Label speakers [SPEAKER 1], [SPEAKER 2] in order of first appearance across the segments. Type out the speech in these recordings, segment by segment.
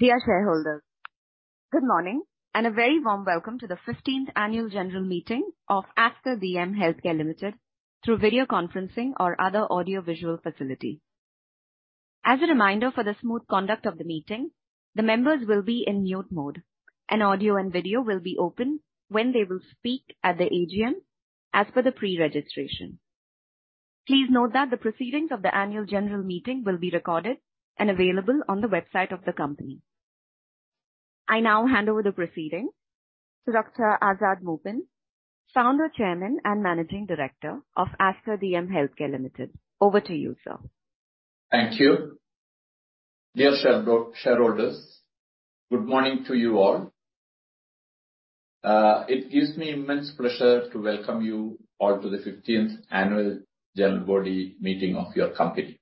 [SPEAKER 1] Dear shareholders, good morning, and a very warm welcome to the 15th Annual General Meeting of Aster DM Healthcare Limited through video conferencing or other audio visual facility. As a reminder for the smooth conduct of the meeting, the members will be in mute mode, and audio and video will be open when they will speak at the AGM as per the pre-registration. Please note that the proceedings of the annual general meeting will be recorded and available on the website of the company. I now hand over the proceeding to Dr. Azad Moopen, Founder, Chairman, and Managing Director of Aster DM Healthcare Limited. Over to you, sir.
[SPEAKER 2] Thank you. Dear shareholders, good morning to you all. It gives me immense pleasure to welcome you all to the 15th Annual General Meeting of your company.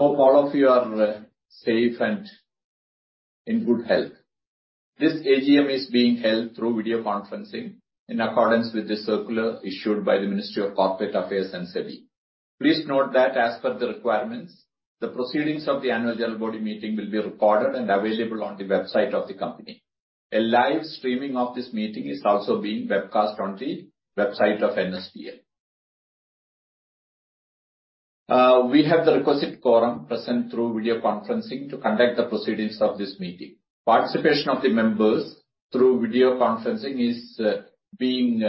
[SPEAKER 2] Hope all of you are safe and in good health. This AGM is being held through video conferencing in accordance with the circular issued by the Ministry of Corporate Affairs and SEBI. Please note that as per the requirements, the proceedings of the Annual General Meeting will be recorded and available on the website of the company. A live streaming of this meeting is also being webcast on the website of NSDL. We have the requisite quorum present through video conferencing to conduct the proceedings of this meeting. Participation of the members through video conferencing is being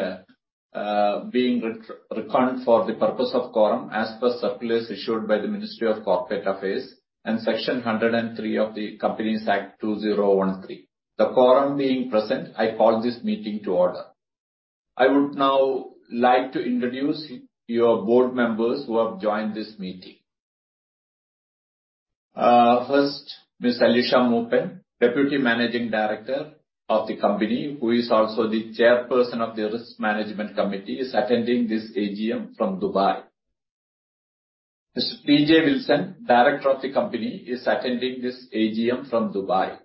[SPEAKER 2] reckoned for the purpose of quorum as per circulars issued by the Ministry of Corporate Affairs and Section 103 of the Companies Act 2013. The quorum being present, I call this meeting to order. I would now like to introduce your board members who have joined this meeting. First, Ms. Alisha Moopen, Deputy Managing Director of the company, who is also the Chairperson of the Risk Management Committee, is attending this AGM from Dubai. Mr. T.J. Wilson, Director of the company, is attending this AGM from Dubai.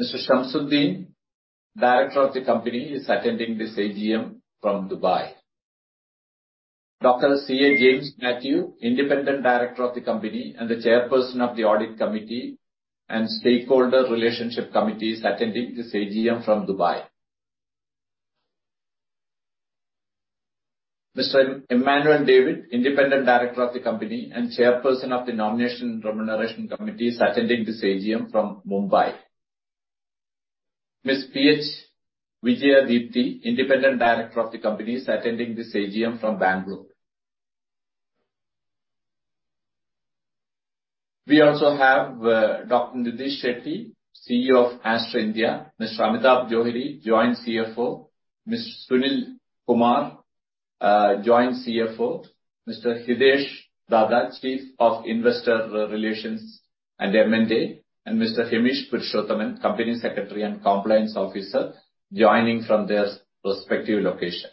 [SPEAKER 2] Mr. Shamsudheen, Director of the company, is attending this AGM from Dubai. Dr. C.A. James Mathew, Independent Director of the company and the Chairperson of the Audit Committee and Stakeholder Relationship Committee, is attending this AGM from Dubai. Mr. Emmanuel David, Independent Director of the company and Chairperson of the Nomination and Remuneration Committee, is attending this AGM from Mumbai. Ms. P H Vijaya Deepti, Independent Director of the company, is attending this AGM from Bangalore. We also have Dr. Nitish Shetty, CEO of Aster India; Mr. Amitabh Johri, Joint CFO; Mr. Sunil Kumar, Joint CFO; Mr. Hitesh Dhaddha, Chief of Investor Relations and M&A; and Mr. Hemish Purushottam, Company Secretary and Compliance Officer, joining from their respective location.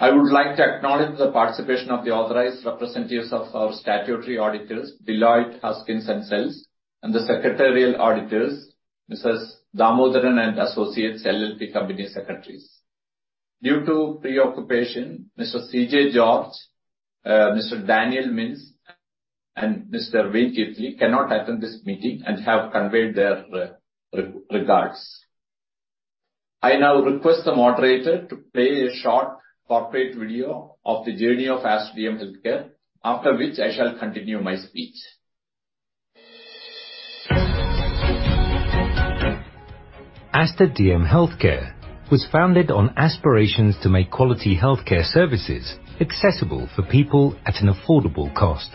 [SPEAKER 2] I would like to acknowledge the participation of the authorized representatives of our statutory auditors, Deloitte Haskins & Sells, and the secretarial auditors, M/s. Damodaran & Associates LLP, Company Secretaries. Due to preoccupation, Mr. CJ George, Mr. Daniel Mintz, and Mr. Wayne Keathley cannot attend this meeting and have conveyed their regards. I now request the moderator to play a short corporate video of the journey of Aster DM Healthcare, after which I shall continue my speech.
[SPEAKER 3] Aster DM Healthcare was founded on aspirations to make quality healthcare services accessible for people at an affordable cost.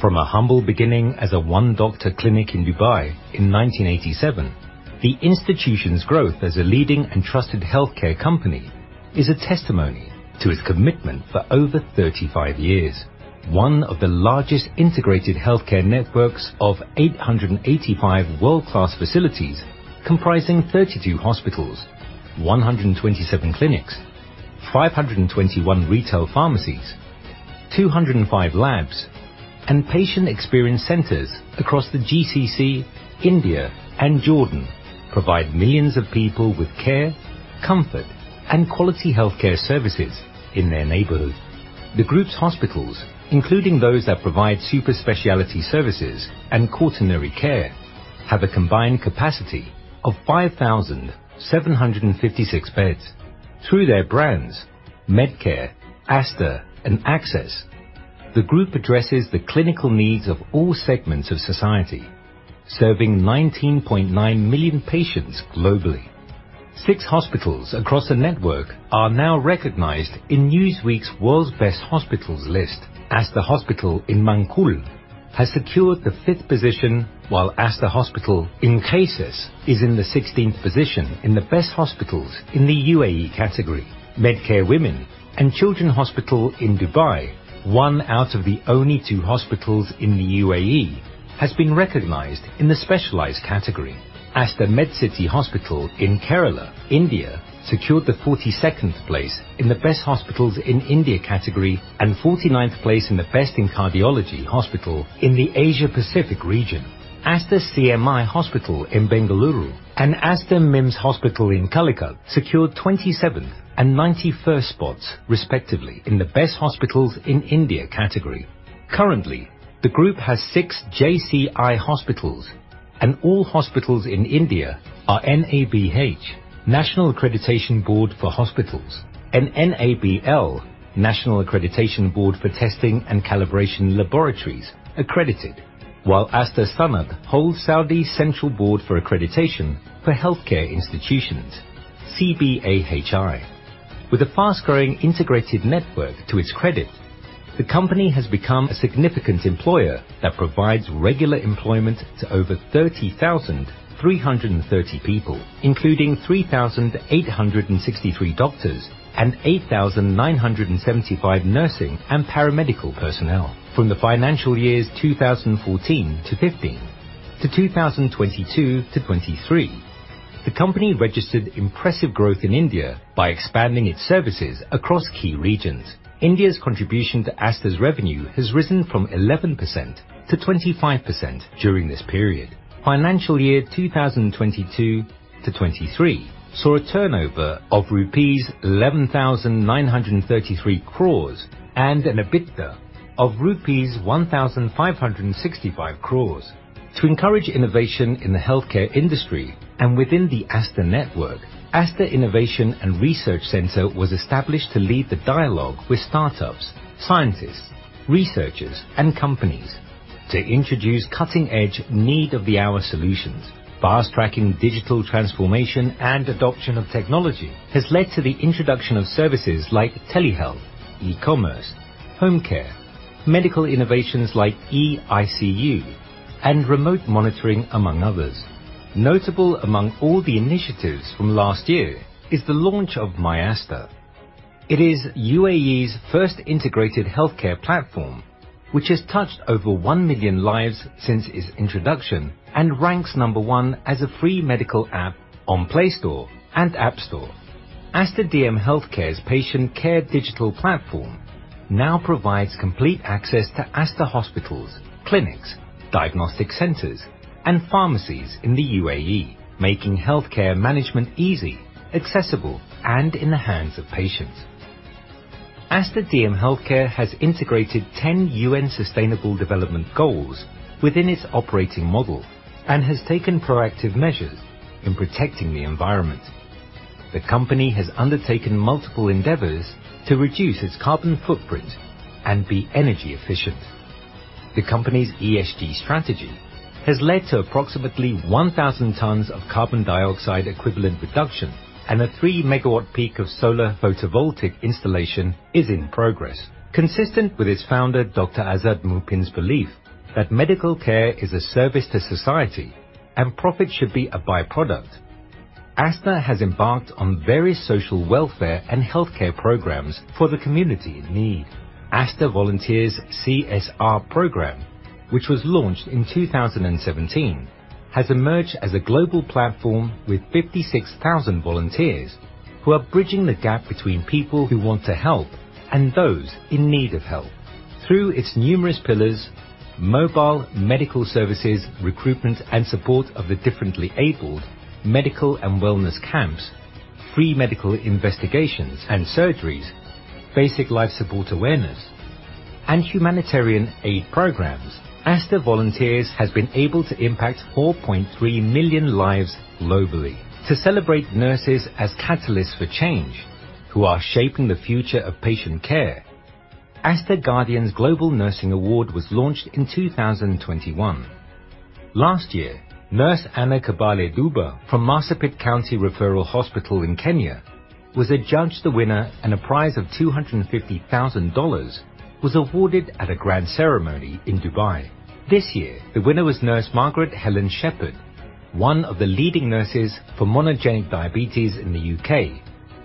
[SPEAKER 3] From a humble beginning as a one-doctor clinic in Dubai in 1987, the institution's growth as a leading and trusted healthcare company is a testimony to its commitment for over 35 years. One of the largest integrated healthcare networks of 885 world-class facilities, comprising 32 hospitals, 127 clinics, 521 retail pharmacies, 205 labs, and patient experience centers across the GCC, India, and Jordan, provide millions of people with care, comfort, and quality healthcare services in their neighborhood. The group's hospitals, including those that provide super specialty services and quaternary care, have a combined capacity of 5,756 beds. Through their brands, Medcare, Aster, and Access, the group addresses the clinical needs of all segments of society, serving 19.9 million patients globally. Six hospitals across the network are now recognized in Newsweek's World's Best Hospitals list. Aster Hospital in Mankhool has secured the 5th position, while Aster Hospital in Qusais is in the 16th position in the Best Hospitals in the UAE category. Medcare Women and Children Hospital in Dubai, one out of the only two hospitals in the UAE, has been recognized in the specialized category. Aster Medcity Hospital in Kerala, India, secured the 42nd place in the Best Hospitals in India category and 49th place in the Best in Cardiology Hospital in the Asia Pacific region.... Aster CMI Hospital in Bengaluru and Aster MIMS Hospital in Calicut secured 27th and 91st spots, respectively, in the best hospitals in India category. Currently, the group has six JCI hospitals, and all hospitals in India are NABH, National Accreditation Board for Hospitals, and NABL, National Accreditation Board for Testing and Calibration Laboratories, accredited, while Aster Sanad holds Saudi Central Board for Accreditation for Healthcare Institutions, CBAHI. With a fast-growing integrated network to its credit, the company has become a significant employer that provides regular employment to over 30,330 people, including 3,863 doctors and 8,975 nursing and paramedical personnel. From the financial years 2014-15 to 2022-23, the company registered impressive growth in India by expanding its services across key regions. India's contribution to Aster's revenue has risen from 11% to 25% during this period. Financial year 2022-2023 saw a turnover of rupees 11,933 crore and an EBITDA of rupees 1,565 crore. To encourage innovation in the healthcare industry and within the Aster network, Aster Innovation and Research Center was established to lead the dialogue with startups, scientists, researchers, and companies to introduce cutting-edge, need-of-the-hour solutions. Fast-tracking digital transformation and adoption of technology has led to the introduction of services like telehealth, e-commerce, home care, medical innovations like e-ICU, and remote monitoring, among others. Notable among all the initiatives from last year is the launch of myAster. It is UAE's first integrated healthcare platform, which has touched over 1 million lives since its introduction and ranks number one as a free medical app on Play Store and App Store. Aster DM Healthcare's patient care digital platform now provides complete access to Aster hospitals, clinics, diagnostic centers, and pharmacies in the UAE, making healthcare management easy, accessible, and in the hands of patients. Aster DM Healthcare has integrated 10 UN Sustainable Development Goals within its operating model and has taken proactive measures in protecting the environment. The company has undertaken multiple endeavors to reduce its carbon footprint and be energy efficient. The company's ESG strategy has led to approximately 1,000 tons of carbon dioxide equivalent reduction, and a 3 MW peak of solar photovoltaic installation is in progress. Consistent with its founder, Dr. Azad Moopen's, belief that medical care is a service to society and profit should be a by-product, Aster has embarked on various social welfare and healthcare programs for the community in need. Aster Volunteers CSR program, which was launched in 2017, has emerged as a global platform with 56,000 volunteers who are bridging the gap between people who want to help and those in need of help. Through its numerous pillars, mobile medical services, recruitment, and support of the differently abled, medical and wellness camps, free medical investigations and surgeries, basic life support awareness, and humanitarian aid programs, Aster Volunteers has been able to impact 4.3 million lives globally. To celebrate nurses as catalysts for change, who are shaping the future of patient care, Aster Guardians Global Nursing Award was launched in 2021. Last year, Nurse Anna Qabale Duba from Marsabit County Referral Hospital in Kenya was adjudged the winner, and a prize of $250,000 was awarded at a grand ceremony in Dubai. This year, the winner was Nurse Margaret Helen Shepherd, one of the leading nurses for monogenic diabetes in the U.K.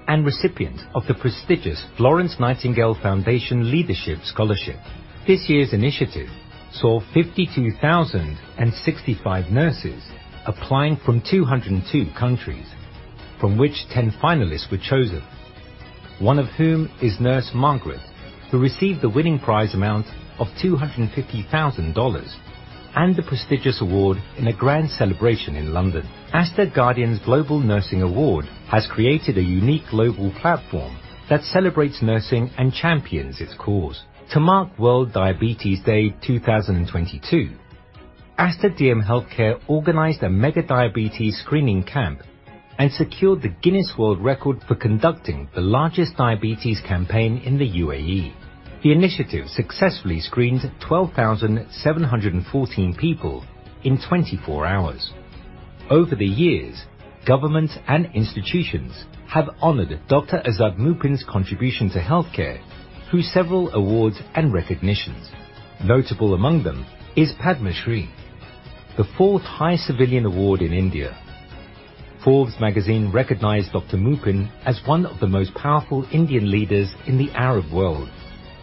[SPEAKER 3] and recipient of the prestigious Florence Nightingale Foundation Leadership Scholarship. This year's initiative saw 52,065 nurses applying from 202 countries, from which 10 finalists were chosen, one of whom is Nurse Margaret, who received the winning prize amount of $250,000 and the prestigious award in a grand celebration in London. Aster Guardians Global Nursing Award has created a unique global platform that celebrates nursing and champions its cause. To mark World Diabetes Day 2022, Aster DM Healthcare organized a mega diabetes screening camp and secured the Guinness World Record for conducting the largest diabetes campaign in the UAE. The initiative successfully screened 12,714 people in 24 hours. Over the years, governments and institutions have honored Dr. Azad Moopen's contribution to healthcare through several awards and recognitions. Notable among them is Padma Shri, the fourth-highest civilian award in India. Forbes Magazine recognized Dr. Moopen as one of the most powerful Indian leaders in the Arab world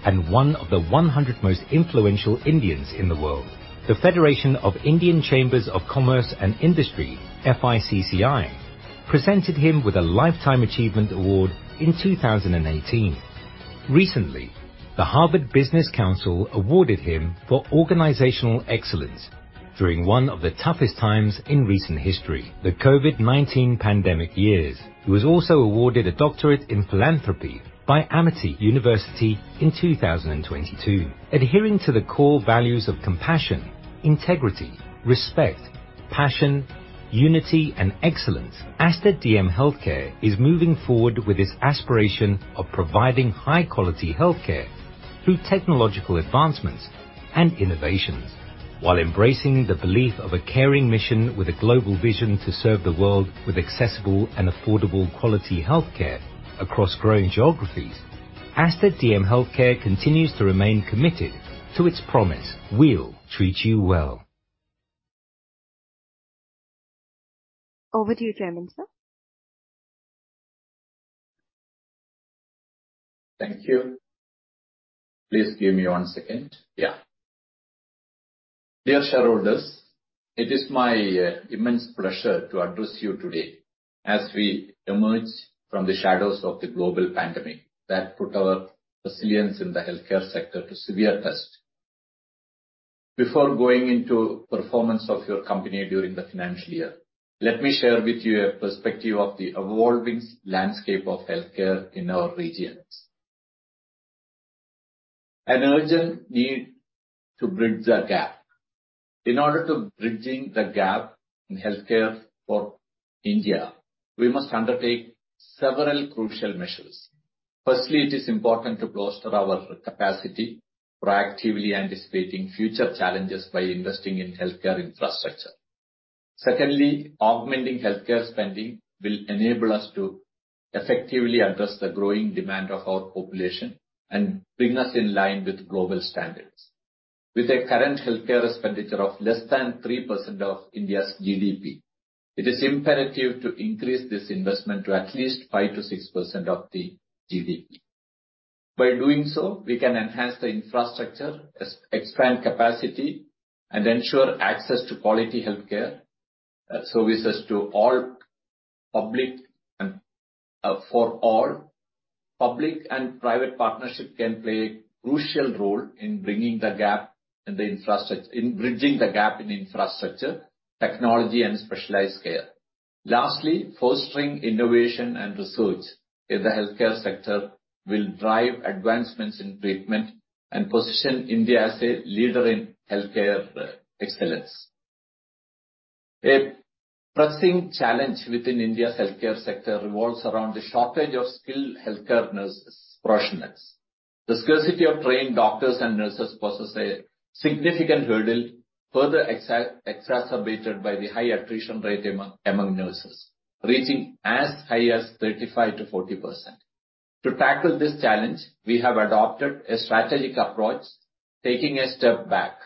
[SPEAKER 3] and one of the 100 most influential Indians in the world. The Federation of Indian Chambers of Commerce and Industry, FICCI, presented him with a Lifetime Achievement Award in 2018. Recently, the Harvard Business Council awarded him for organizational excellence during one of the toughest times in recent history, the COVID-19 pandemic years. He was also awarded a doctorate in philanthropy by Amity University in 2022. Adhering to the core values of compassion, integrity, respect, passion, unity, and excellence, Aster DM Healthcare is moving forward with its aspiration of providing high-quality healthcare through technological advancements and innovations. While embracing the belief of a caring mission with a global vision to serve the world with accessible and affordable quality health care across growing geographies, Aster DM Healthcare continues to remain committed to its promise: We'll treat you well.
[SPEAKER 1] Over to you, Chairman, sir.
[SPEAKER 2] Thank you. Please give me one second. Yeah. Dear shareholders, it is my immense pleasure to address you today as we emerge from the shadows of the global pandemic that put our resilience in the healthcare sector to severe test. Before going into performance of your company during the financial year, let me share with you a perspective of the evolving landscape of healthcare in our regions. An urgent need to bridge the gap. In order to bridging the gap in healthcare for India, we must undertake several crucial measures. Firstly, it is important to bolster our capacity, proactively anticipating future challenges by investing in healthcare infrastructure. Secondly, augmenting healthcare spending will enable us to effectively address the growing demand of our population and bring us in line with global standards. With a current healthcare expenditure of less than 3% of India's GDP, it is imperative to increase this investment to at least 5%-6% of the GDP. By doing so, we can enhance the infrastructure, expand capacity, and ensure access to quality healthcare services to all public and for all. Public and private partnership can play a crucial role in bringing the gap in the infrastructure, in bridging the gap in infrastructure, technology, and specialized care. Lastly, fostering innovation and research in the healthcare sector will drive advancements in treatment and position India as a leader in healthcare excellence. A pressing challenge within India's healthcare sector revolves around the shortage of skilled healthcare nurses professionals. The scarcity of trained doctors and nurses poses a significant hurdle, further exacerbated by the high attrition rate among nurses, reaching as high as 35%-40%. To tackle this challenge, we have adopted a strategic approach, taking a step back.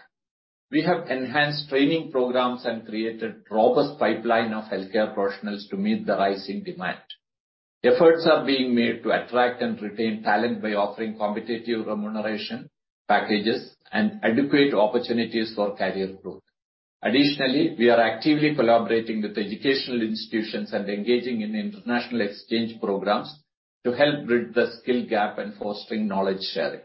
[SPEAKER 2] We have enhanced training programs and created robust pipeline of healthcare professionals to meet the rising demand. Efforts are being made to attract and retain talent by offering competitive remuneration packages and adequate opportunities for career growth. Additionally, we are actively collaborating with educational institutions and engaging in international exchange programs to help bridge the skill gap and fostering knowledge sharing.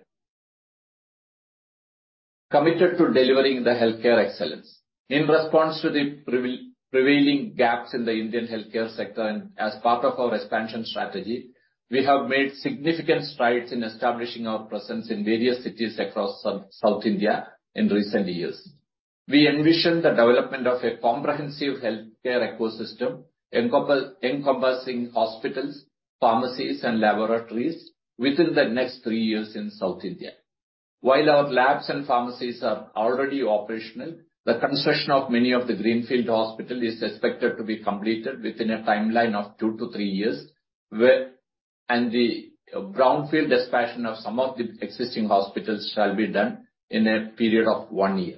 [SPEAKER 2] Committed to delivering the healthcare excellence. In response to the prevailing gaps in the Indian healthcare sector, and as part of our expansion strategy, we have made significant strides in establishing our presence in various cities across South India in recent years. We envision the development of a comprehensive healthcare ecosystem, encompassing hospitals, pharmacies, and laboratories within the next three years in South India. While our labs and pharmacies are already operational, the construction of many of the greenfield hospital is expected to be completed within a timeline of two to three years, and the brownfield expansion of some of the existing hospitals shall be done in a period of one year.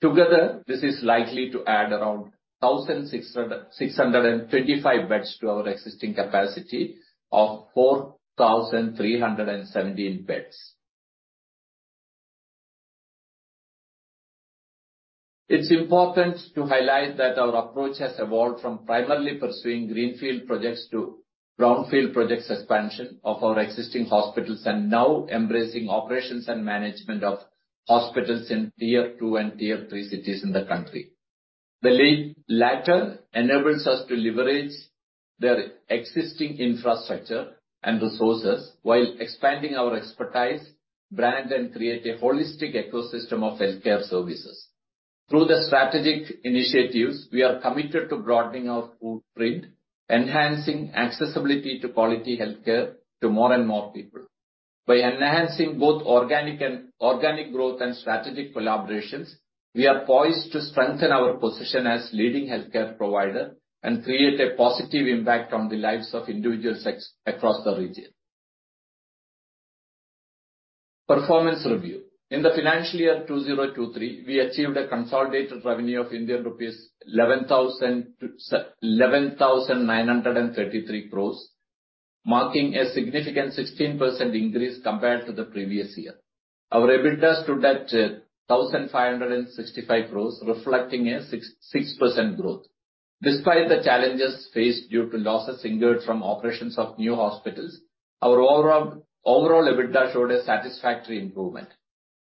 [SPEAKER 2] Together, this is likely to add around 1,625 beds to our existing capacity of 4,317 beds. It's important to highlight that our approach has evolved from primarily pursuing greenfield projects to brownfield projects expansion of our existing hospitals, and now embracing operations and management of hospitals in Tier II and Tier III cities in the country. The latter enables us to leverage their existing infrastructure and resources while expanding our expertise, brand, and create a holistic ecosystem of healthcare services. Through the strategic initiatives, we are committed to broadening our footprint, enhancing accessibility to quality healthcare to more and more people. By enhancing both organic and organic growth and strategic collaborations, we are poised to strengthen our position as leading healthcare provider and create a positive impact on the lives of individuals across the region. Performance review. In the financial year 2023, we achieved a consolidated revenue of Indian rupees 11,933 crore, marking a significant 16% increase compared to the previous year. Our EBITDA stood at 1,565 crore, reflecting a 6.6% growth. Despite the challenges faced due to losses incurred from operations of new hospitals, our overall EBITDA showed a satisfactory improvement.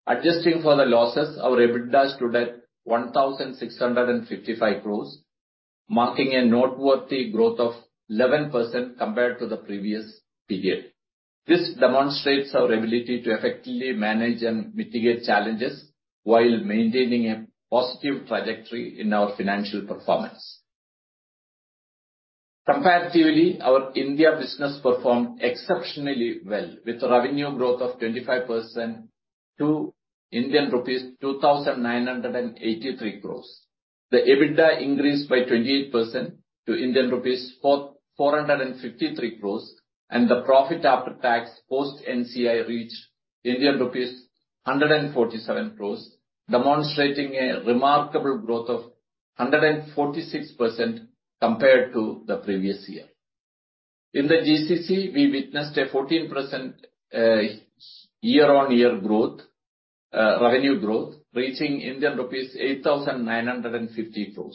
[SPEAKER 2] Adjusting for the losses, our EBITDA stood at 1,655 crores, marking a noteworthy growth of 11% compared to the previous period. This demonstrates our ability to effectively manage and mitigate challenges, while maintaining a positive trajectory in our financial performance. Comparatively, our India business performed exceptionally well, with revenue growth of 25% to Indian rupees 2,983 crores. The EBITDA increased by 28% to Indian rupees 453 crores, and the profit after tax post NCI reached Indian rupees 147 crores, demonstrating a remarkable growth of 146% compared to the previous year. In the GCC, we witnessed a 14%, year-on-year growth, revenue growth, reaching Indian rupees 8,950 crore.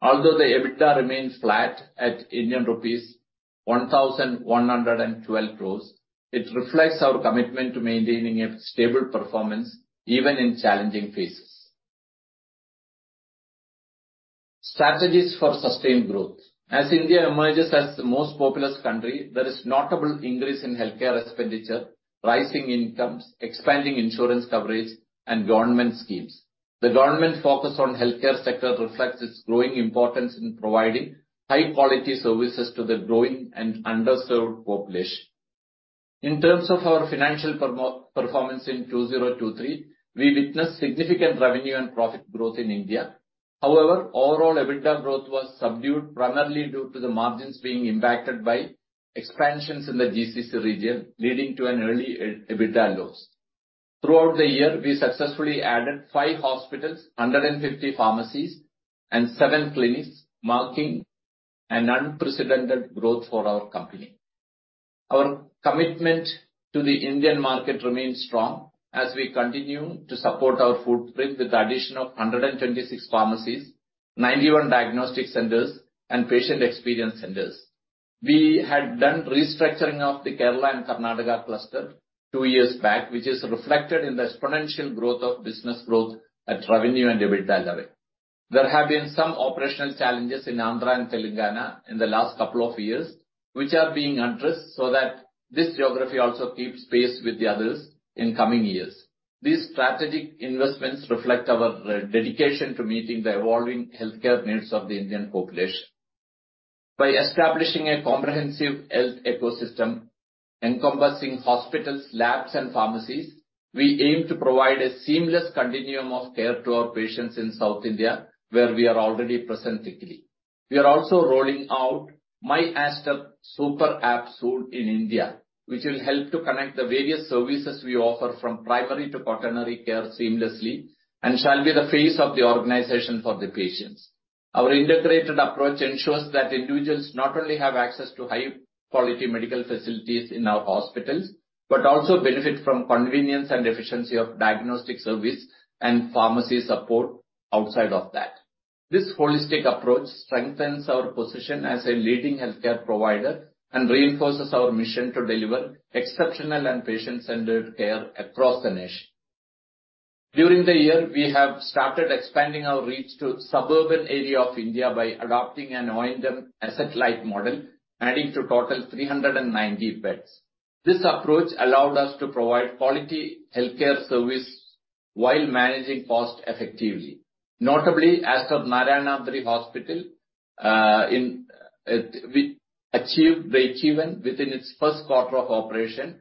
[SPEAKER 2] Although the EBITDA remains flat at Indian rupees 1,112 crore, it reflects our commitment to maintaining a stable performance even in challenging phases. Strategies for sustained growth. As India emerges as the most populous country, there is notable increase in healthcare expenditure, rising incomes, expanding insurance coverage, and government schemes. The government focus on healthcare sector reflects its growing importance in providing high quality services to the growing and underserved population. In terms of our financial performance in 2023, we witnessed significant revenue and profit growth in India. However, overall EBITDA growth was subdued, primarily due to the margins being impacted by expansions in the GCC region, leading to an EBITDA loss. Throughout the year, we successfully added five hospitals, 150 pharmacies, and seven clinics, marking an unprecedented growth for our company. Our commitment to the Indian market remains strong as we continue to support our footprint with the addition of 126 pharmacies, 91 diagnostic centers, and patient experience centers. We had done restructuring of the Kerala and Karnataka cluster two years back, which is reflected in the exponential growth of business growth at revenue and EBITDA level. There have been some operational challenges in Andhra and Telangana in the last couple of years, which are being addressed so that this geography also keeps pace with the others in coming years. These strategic investments reflect our dedication to meeting the evolving healthcare needs of the Indian population. By establishing a comprehensive health ecosystem encompassing hospitals, labs, and pharmacies, we aim to provide a seamless continuum of care to our patients in South India, where we are already present thickly. We are also rolling out myAster super app soon in India, which will help to connect the various services we offer from primary to quaternary care seamlessly, and shall be the face of the organization for the patients. Our integrated approach ensures that individuals not only have access to high quality medical facilities in our hospitals, but also benefit from convenience and efficiency of diagnostic service and pharmacy support outside of that. This holistic approach strengthens our position as a leading healthcare provider, and reinforces our mission to deliver exceptional and patient-centered care across the nation. During the year, we have started expanding our reach to suburban area of India by adopting an O&M asset-light model, adding to total 390 beds. This approach allowed us to provide quality healthcare service while managing costs effectively. Notably, Aster Narayanadri Hospital, we achieved breakeven within its first quarter of operation,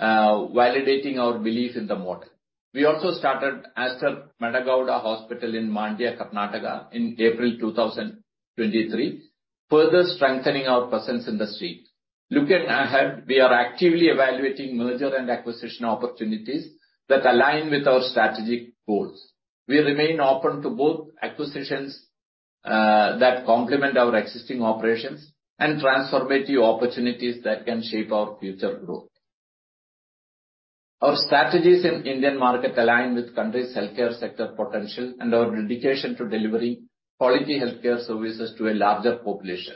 [SPEAKER 2] validating our belief in the model. We also started Aster G Madegowda Hospital in Mandya, Karnataka, in April 2023, further strengthening our presence in the state. Looking ahead, we are actively evaluating merger and acquisition opportunities that align with our strategic goals. We remain open to both acquisitions, that complement our existing operations, and transformative opportunities that can shape our future growth. Our strategies in Indian market align with country's healthcare sector potential, and our dedication to delivering quality healthcare services to a larger population.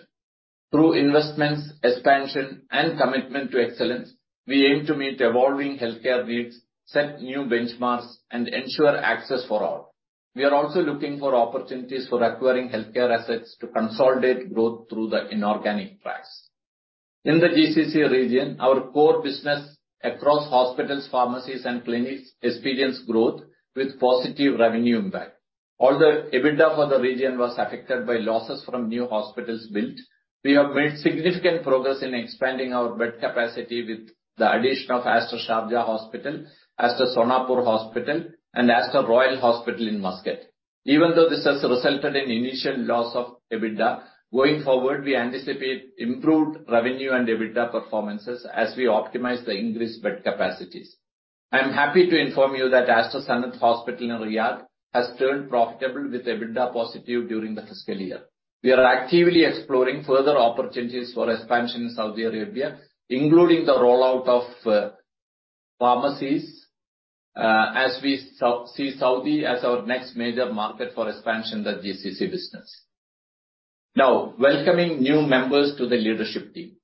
[SPEAKER 2] Through investments, expansion, and commitment to excellence, we aim to meet evolving healthcare needs, set new benchmarks, and ensure access for all. We are also looking for opportunities for acquiring healthcare assets to consolidate growth through the inorganic tracks. In the GCC region, our core business across hospitals, pharmacies, and clinics experienced growth with positive revenue impact. Although EBITDA for the region was affected by losses from new hospitals built, we have made significant progress in expanding our bed capacity with the addition of Aster Sharjah Hospital, Aster Sonapur Hospital, and Aster Royal Hospital in Muscat. Even though this has resulted in initial loss of EBITDA, going forward, we anticipate improved revenue and EBITDA performances as we optimize the increased bed capacities. I am happy to inform you that Aster Sanad Hospital in Riyadh has turned profitable with EBITDA positive during the fiscal year. We are actively exploring further opportunities for expansion in Saudi Arabia, including the rollout of pharmacies, as we see Saudi as our next major market for expansion of the GCC business. Now, welcoming new members to the leadership team.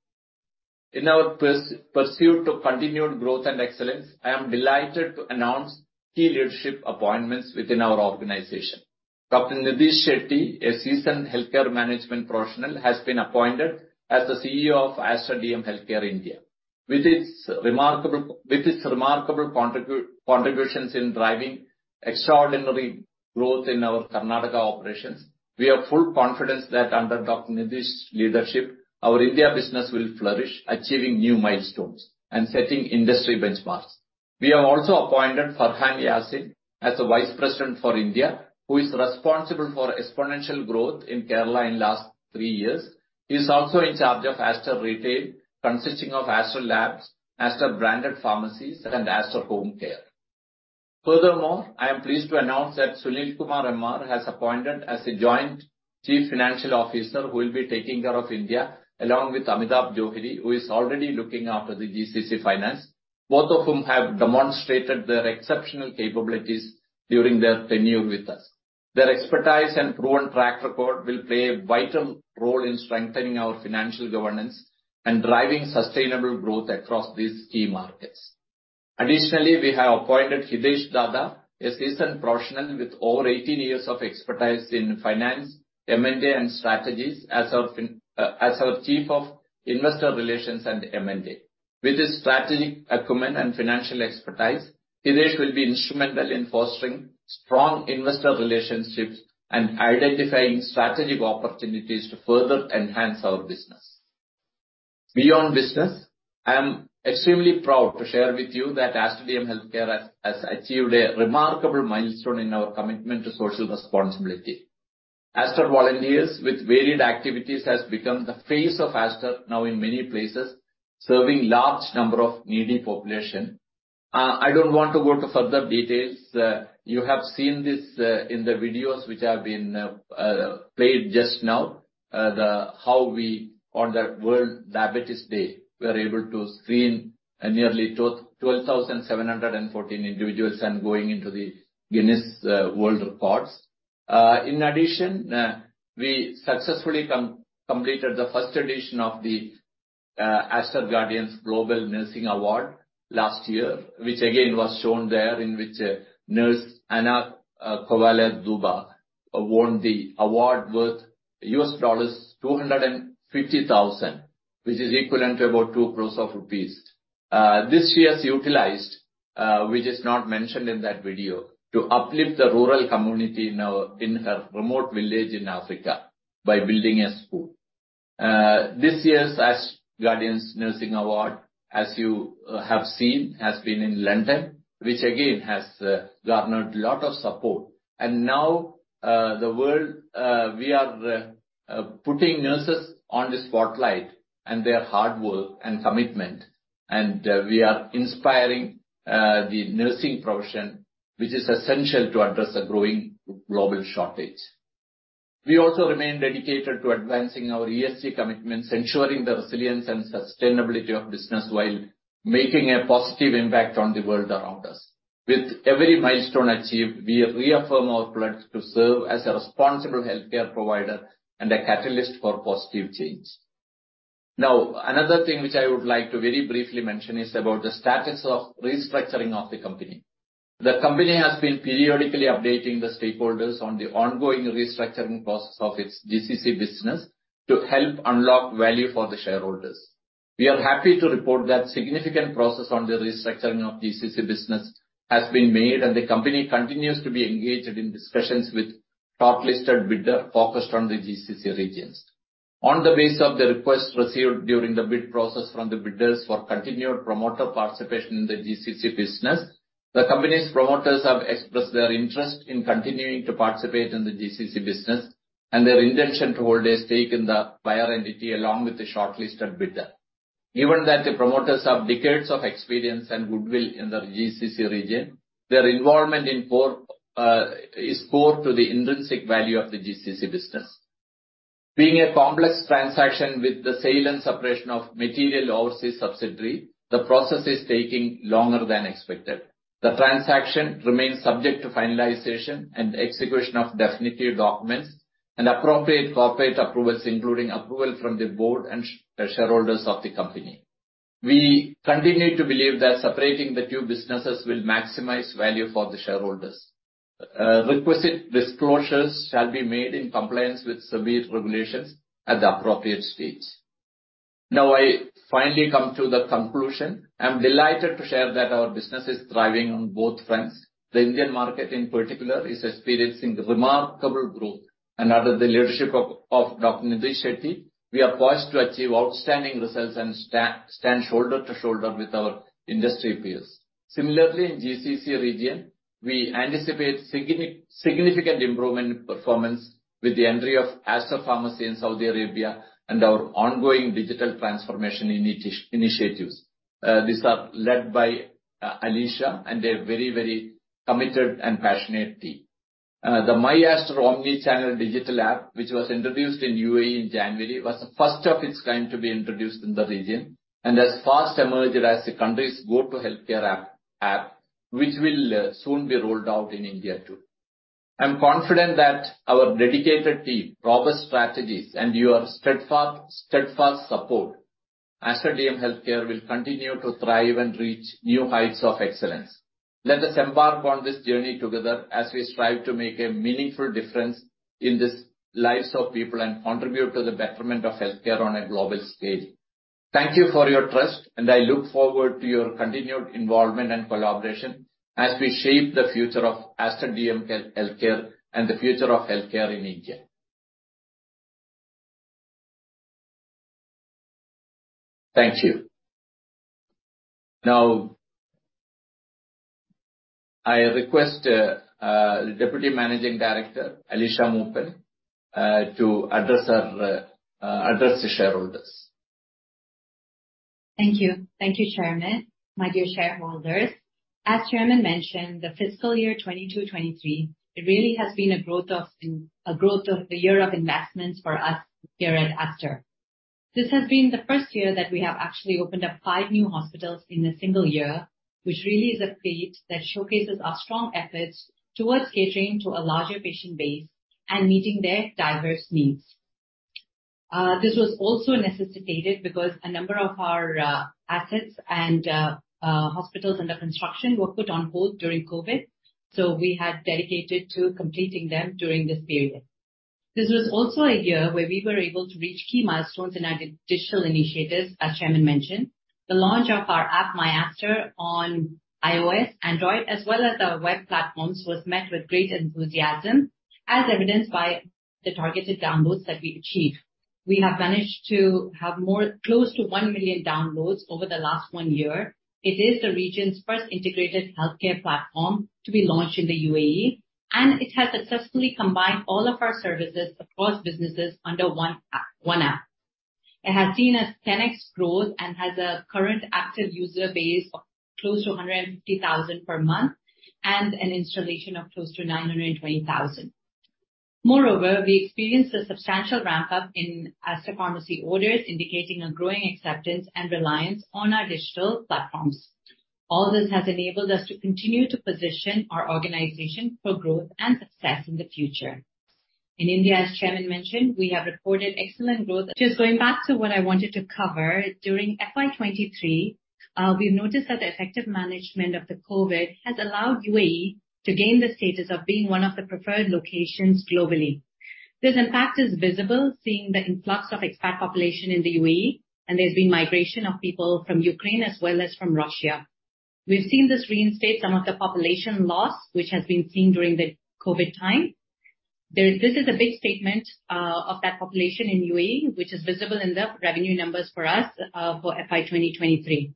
[SPEAKER 2] In our pursuit to continued growth and excellence, I am delighted to announce key leadership appointments within our organization. Dr. Nitish Shetty, a seasoned healthcare management professional, has been appointed as the CEO of Aster DM Healthcare India. With his remarkable contributions in driving extraordinary growth in our Karnataka operations, we have full confidence that under Dr. Nitish's leadership, our India business will flourish, achieving new milestones and setting industry benchmarks. We have also appointed Farhan Yasin as the Vice President for India, who is responsible for exponential growth in Kerala in last three years. He is also in charge of Aster Retail, consisting of Aster Labs, Aster Branded Pharmacies, and Aster Home Care. Furthermore, I am pleased to announce that Sunil Kumar MR has appointed as a Joint Chief Financial Officer, who will be taking care of India, along with Amitabh Johri, who is already looking after the GCC finance, both of whom have demonstrated their exceptional capabilities during their tenure with us. Their expertise and proven track record will play a vital role in strengthening our financial governance and driving sustainable growth across these key markets. Additionally, we have appointed Hitesh Dhaddha, a seasoned professional with over 18 years of expertise in finance, M&A, and strategies, as our Chief of Investor Relations and M&A. With his strategic acumen and financial expertise, Hitesh will be instrumental in fostering strong investor relationships and identifying strategic opportunities to further enhance our business. Beyond business, I am extremely proud to share with you that Aster DM Healthcare has achieved a remarkable milestone in our commitment to social responsibility. Aster Volunteers, with varied activities, has become the face of Aster now in many places, serving large number of needy population. I don't want to go to further details. You have seen this in the videos, which have been played just now. How we, on the World Diabetes Day, we are able to screen nearly 12,714 individuals and going into the Guinness World Records. In addition, we successfully completed the first edition of the Aster Guardians Global Nursing Award last year, which again was shown there, in which Nurse Anna Qabale Duba won the award worth $250,000, which is equivalent to about 2 crore rupees. This she has utilized, which is not mentioned in that video, to uplift the rural community in her remote village in Africa by building a school. This year's Aster Guardians Nursing Award, as you have seen, has been in London, which again has garnered a lot of support. Now the world, we are putting nurses on the spotlight, and their hard work and commitment, and we are inspiring the nursing profession, which is essential to address the growing global shortage. We also remain dedicated to advancing our ESG commitments, ensuring the resilience and sustainability of business, while making a positive impact on the world around us. With every milestone achieved, we reaffirm our pledge to serve as a responsible healthcare provider and a catalyst for positive change. Now, another thing which I would like to very briefly mention, is about the status of restructuring of the company. The company has been periodically updating the stakeholders on the ongoing restructuring process of its GCC business to help unlock value for the shareholders. We are happy to report that significant progress on the restructuring of GCC business has been made, and the company continues to be engaged in discussions with shortlisted bidder focused on the GCC regions. On the basis of the request received during the bid process from the bidders for continued promoter participation in the GCC business, the company's promoters have expressed their interest in continuing to participate in the GCC business, and their intention to hold a stake in the buyer entity along with the shortlisted bidder. Given that the promoters have decades of experience and goodwill in the GCC region, their involvement in core is core to the intrinsic value of the GCC business. Being a complex transaction with the sale and separation of material overseas subsidiary, the process is taking longer than expected. The transaction remains subject to finalization and execution of definitive documents and appropriate corporate approvals, including approval from the board and shareholders of the company. We continue to believe that separating the two businesses will maximize value for the shareholders. Requisite disclosures shall be made in compliance with SEBI regulations at the appropriate stage. Now, I finally come to the conclusion. I'm delighted to share that our business is thriving on both fronts. The Indian market, in particular, is experiencing remarkable growth. Under the leadership of Dr. Nitish Shetty, we are poised to achieve outstanding results and stand shoulder to shoulder with our industry peers. Similarly, in GCC region, we anticipate significant improvement in performance with the entry of Aster Pharmacy in Saudi Arabia and our ongoing digital transformation initiatives. These are led by Alisha, and they're very, very committed and passionate team... The myAster omni-channel digital app, which was introduced in UAE in January, was the first of its kind to be introduced in the region, and has fast emerged as the country's go-to healthcare app, which will soon be rolled out in India, too. I'm confident that our dedicated team, robust strategies, and your steadfast support, Aster DM Healthcare will continue to thrive and reach new heights of excellence. Let us embark on this journey together as we strive to make a meaningful difference in the lives of people and contribute to the betterment of healthcare on a global scale. Thank you for your trust, and I look forward to your continued involvement and collaboration as we shape the future of Aster DM Healthcare, and the future of healthcare in India. Thank you. Now, I request the Deputy Managing Director, Alisha Moopen, to address the shareholders.
[SPEAKER 4] Thank you. Thank you, Chairman. My dear shareholders, as Chairman mentioned, the fiscal year 2022-2023, it really has been a year of growth and investments for us here at Aster. This has been the first year that we have actually opened up five new hospitals in a single year, which really is a feat that showcases our strong efforts towards catering to a larger patient base and meeting their diverse needs. This was also necessitated because a number of our assets and hospitals under construction were put on hold during COVID, so we had dedicated to completing them during this period. This was also a year where we were able to reach key milestones in our digital initiatives, as Chairman mentioned. The launch of our app, myAster, on iOS, Android, as well as our web platforms, was met with great enthusiasm, as evidenced by the targeted downloads that we've achieved. We have managed to have more, close to 1 million downloads over the last one year. It is the region's first integrated healthcare platform to be launched in the UAE, and it has successfully combined all of our services across businesses under one app, one app. It has seen a 10x growth and has a current active user base of close to 150,000 per month, and an installation of close to 920,000. Moreover, we experienced a substantial ramp-up in Aster Pharmacy orders, indicating a growing acceptance and reliance on our digital platforms. All this has enabled us to continue to position our organization for growth and success in the future. In India, as Chairman mentioned, we have reported excellent growth. Just going back to what I wanted to cover, during FY 2023, we've noticed that the effective management of the COVID has allowed UAE to gain the status of being one of the preferred locations globally. This impact is visible, seeing the influx of expat population in the UAE, and there's been migration of people from Ukraine as well as from Russia. We've seen this reinstate some of the population loss, which has been seen during the COVID time. This is a big statement of that population in UAE, which is visible in the revenue numbers for us for FY 2023.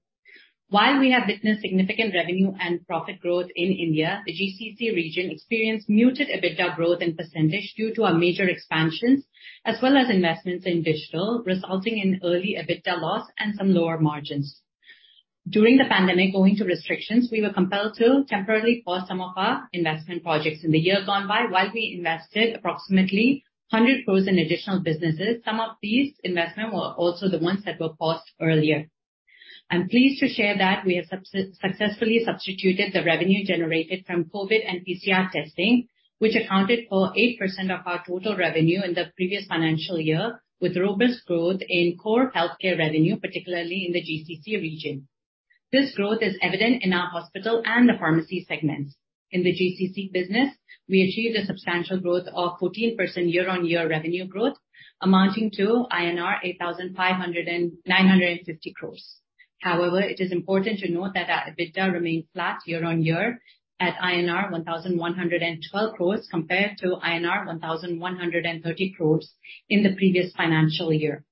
[SPEAKER 4] While we have witnessed significant revenue and profit growth in India, the GCC region experienced muted EBITDA growth in percentage due to our major expansions, as well as investments in digital, resulting in early EBITDA loss and some lower margins. During the pandemic, owing to restrictions, we were compelled to temporarily pause some of our investment projects. In the years gone by, while we invested approximately 100% in additional businesses, some of these investments were also the ones that were paused earlier. I'm pleased to share that we have successfully substituted the revenue generated from COVID and PCR testing, which accounted for 8% of our total revenue in the previous financial year, with robust growth in core healthcare revenue, particularly in the GCC region. This growth is evident in our hospital and the pharmacy segments. In the GCC business, we achieved a substantial growth of 14% year-on-year revenue growth, amounting to INR 8,950 crores. However, it is important to note that our EBITDA remained flat year-on-year at INR 1,112 crores, compared to INR 1,130 crores in the previous financial year.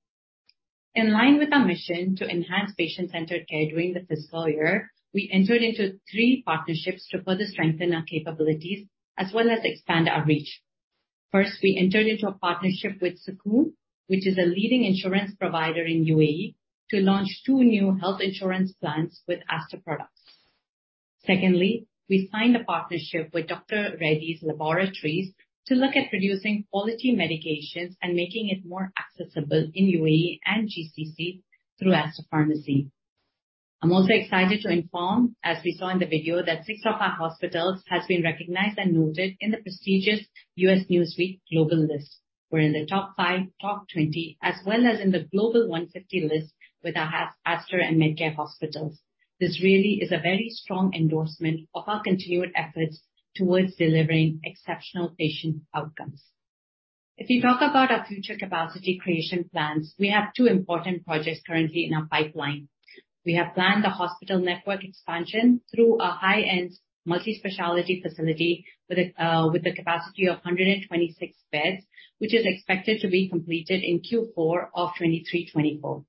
[SPEAKER 4] In line with our mission to enhance patient-centered care during the fiscal year, we entered into three partnerships to further strengthen our capabilities as well as expand our reach. First, we entered into a partnership with Sukoon, which is a leading insurance provider in UAE, to launch two new health insurance plans with Aster products. Secondly, we signed a partnership with Dr. Reddy's Laboratories to look at producing quality medications and making it more accessible in UAE and GCC through Aster Pharmacy. I'm also excited to inform, as we saw in the video, that six of our hospitals has been recognized and noted in the prestigious Newsweek Global List. We're in the top five, top 20, as well as in the Global 150 list with our Aster and Medcare hospitals. This really is a very strong endorsement of our continued efforts towards delivering exceptional patient outcomes. If you talk about our future capacity creation plans, we have two important projects currently in our pipeline. We have planned a hospital network expansion through a high-end multi-specialty facility with a capacity of 126 beds, which is expected to be completed in Q4 of 2023-2024.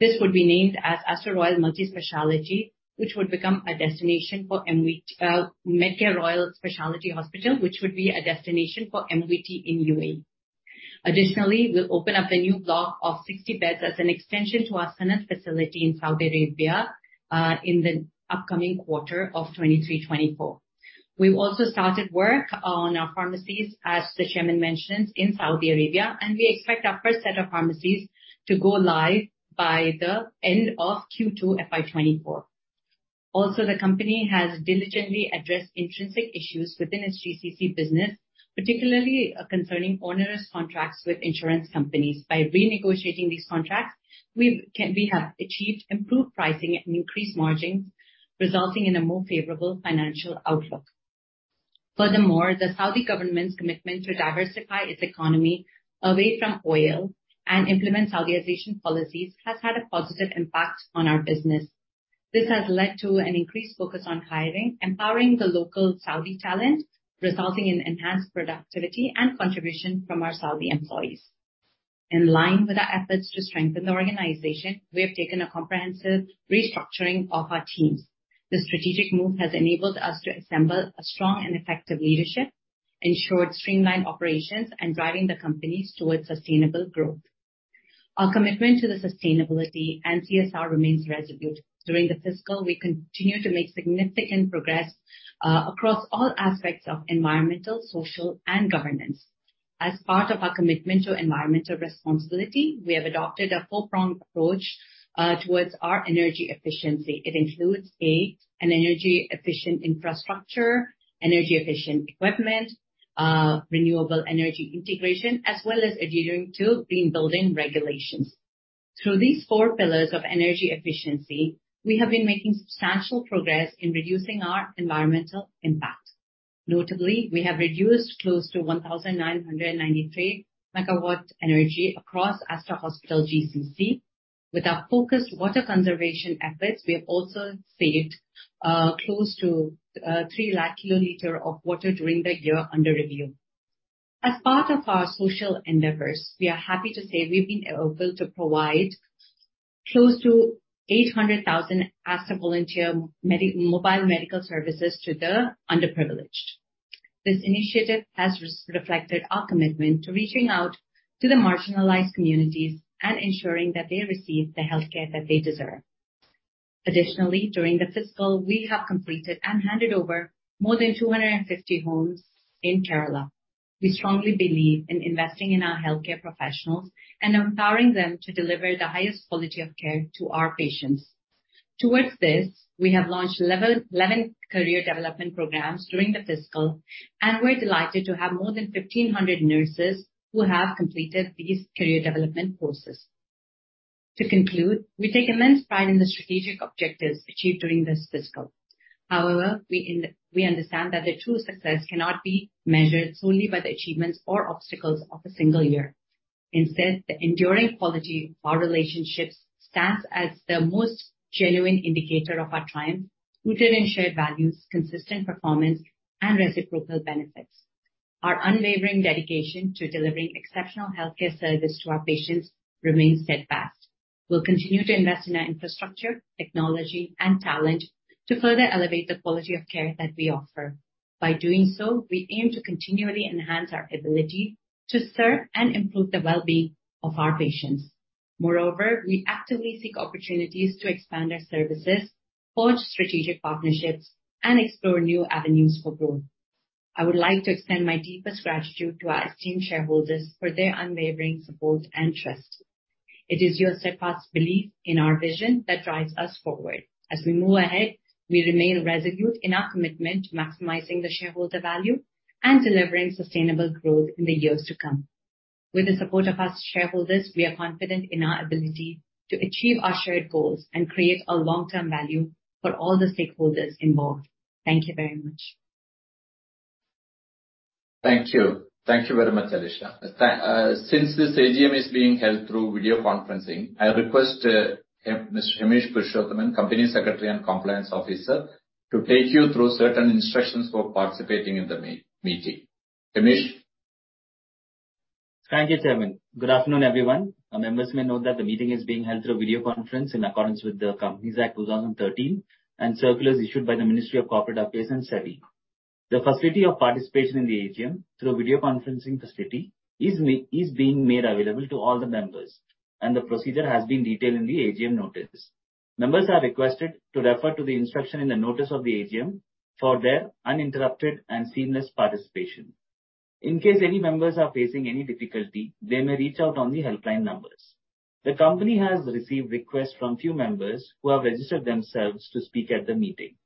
[SPEAKER 4] This would be named as Aster Royal multi-specialty, which would become a destination for MVT, Medcare Royal Specialty Hospital, which would be a destination for MVT in UAE. Additionally, we'll open up the new block of 60 beds as an extension to our Sanad facility in Saudi Arabia in the upcoming quarter of 2023-2024. We've also started work on our pharmacies, as the chairman mentioned, in Saudi Arabia, and we expect our first set of pharmacies to go live by the end of Q2 FY 2024. Also, the company has diligently addressed intrinsic issues within its GCC business, particularly concerning onerous contracts with insurance companies. By renegotiating these contracts, we have achieved improved pricing and increased margins, resulting in a more favorable financial outlook. Furthermore, the Saudi government's commitment to diversify its economy away from oil and implement Saudization policies has had a positive impact on our business. This has led to an increased focus on hiring, empowering the local Saudi talent, resulting in enhanced productivity and contribution from our Saudi employees. In line with our efforts to strengthen the organization, we have taken a comprehensive restructuring of our teams. This strategic move has enabled us to assemble a strong and effective leadership, ensured streamlined operations, and driving the companies towards sustainable growth. Our commitment to the sustainability and CSR remains resolute. During the fiscal, we continue to make significant progress across all aspects of environmental, social, and governance. As part of our commitment to environmental responsibility, we have adopted a four-pronged approach towards our energy efficiency. It includes an energy-efficient infrastructure, energy-efficient equipment, renewable energy integration, as well as adhering to green building regulations. Through these four pillars of energy efficiency, we have been making substantial progress in reducing our environmental impact. Notably, we have reduced close to 1,993 MW energy across Aster Hospital GCC. With our focused water conservation efforts, we have also saved close to 300,000 kiloliters of water during the year under review. As part of our social endeavors, we are happy to say we've been able to provide close to 800,000 Aster volunteer mobile medical services to the underprivileged. This initiative has reflected our commitment to reaching out to the marginalized communities and ensuring that they receive the healthcare that they deserve. Additionally, during the fiscal, we have completed and handed over more than 250 homes in Kerala. We strongly believe in investing in our healthcare professionals and empowering them to deliver the highest quality of care to our patients. Towards this, we have launched 11-level career development programs during the fiscal, and we're delighted to have more than 1,500 nurses who have completed these career development courses. To conclude, we take immense pride in the strategic objectives achieved during this fiscal. However, we understand that the true success cannot be measured solely by the achievements or obstacles of a single year. Instead, the enduring quality of our relationships stands as the most genuine indicator of our triumph, rooted in shared values, consistent performance, and reciprocal benefits. Our unwavering dedication to delivering exceptional healthcare service to our patients remains steadfast. We'll continue to invest in our infrastructure, technology, and talent to further elevate the quality of care that we offer. By doing so, we aim to continually enhance our ability to serve and improve the well-being of our patients. Moreover, we actively seek opportunities to expand our services, forge strategic partnerships, and explore new avenues for growth. I would like to extend my deepest gratitude to our esteemed shareholders for their unwavering support and trust. It is your steadfast belief in our vision that drives us forward. As we move ahead, we remain resolute in our commitment to maximizing the shareholder value and delivering sustainable growth in the years to come. With the support of our shareholders, we are confident in our ability to achieve our shared goals and create a long-term value for all the stakeholders involved. Thank you very much.
[SPEAKER 2] Thank you. Thank you very much, Alisha. Since this AGM is being held through video conferencing, I request Mr. Hemish Purushottam, Company Secretary and Compliance Officer, to take you through certain instructions for participating in the meeting. Hemish?
[SPEAKER 5] Thank you, Chairman. Good afternoon, everyone. Our members may note that the meeting is being held through video conference in accordance with the Companies Act 2013 and circulars issued by the Ministry of Corporate Affairs and SEBI. The facility of participation in the AGM through video conferencing facility is being made available to all the members, and the procedure has been detailed in the AGM notice. Members are requested to refer to the instruction in the notice of the AGM for their uninterrupted and seamless participation. In case any members are facing any difficulty, they may reach out on the helpline numbers. The company has received requests from few members who have registered themselves to speak at the meeting.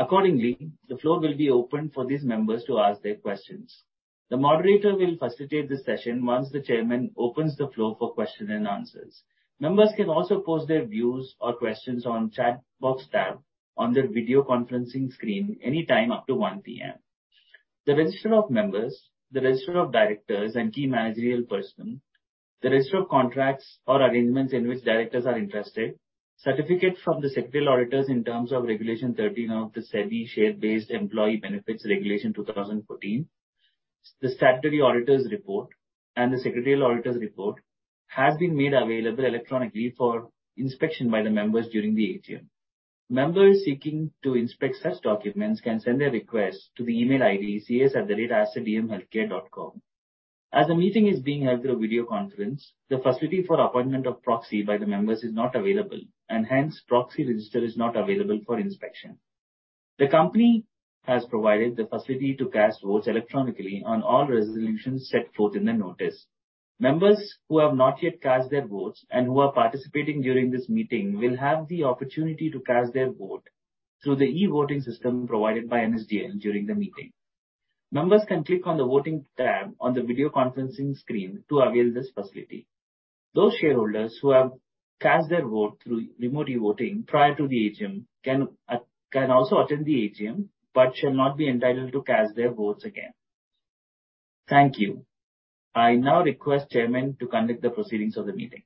[SPEAKER 5] Accordingly, the floor will be open for these members to ask their questions. The moderator will facilitate the session once the chairman opens the floor for question and answers. Members can also post their views or questions on chat box tab on their video conferencing screen any time up to 1:00 P.M. The register of members, the register of directors and key managerial personnel, the register of contracts or arrangements in which directors are interested, certificate from the secretarial auditors in terms of Regulation 13 of the SEBI Share-Based Employee Benefits Regulation 2014, the statutory auditor's report, and the secretarial auditor's report have been made available electronically for inspection by the members during the AGM. Members seeking to inspect such documents can send their request to the email ID, cs@asterdmhealthcare.com. As the meeting is being held through a video conference, the facility for appointment of proxy by the members is not available, and hence, proxy register is not available for inspection. The company has provided the facility to cast votes electronically on all resolutions set forth in the notice. Members who have not yet cast their votes and who are participating during this meeting will have the opportunity to cast their vote through the e-voting system provided by NSDL during the meeting. Members can click on the Voting tab on the video conferencing screen to avail this facility. Those shareholders who have cast their vote through remote e-voting prior to the AGM can, can also attend the AGM, but shall not be entitled to cast their votes again. Thank you. I now request Chairman to conduct the proceedings of the meeting.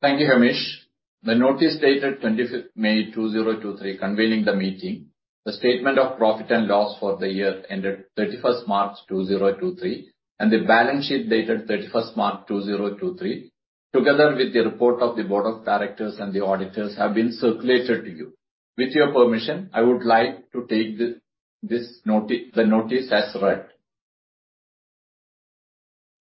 [SPEAKER 2] Thank you, Hemish. The notice dated 25th May 2023, convening the meeting, the statement of profit and loss for the year ended 31st March 2023, and the balance sheet dated 31st March 2023, together with the report of the Board of Directors and the auditors, have been circulated to you. With your permission, I would like to take this notice as read.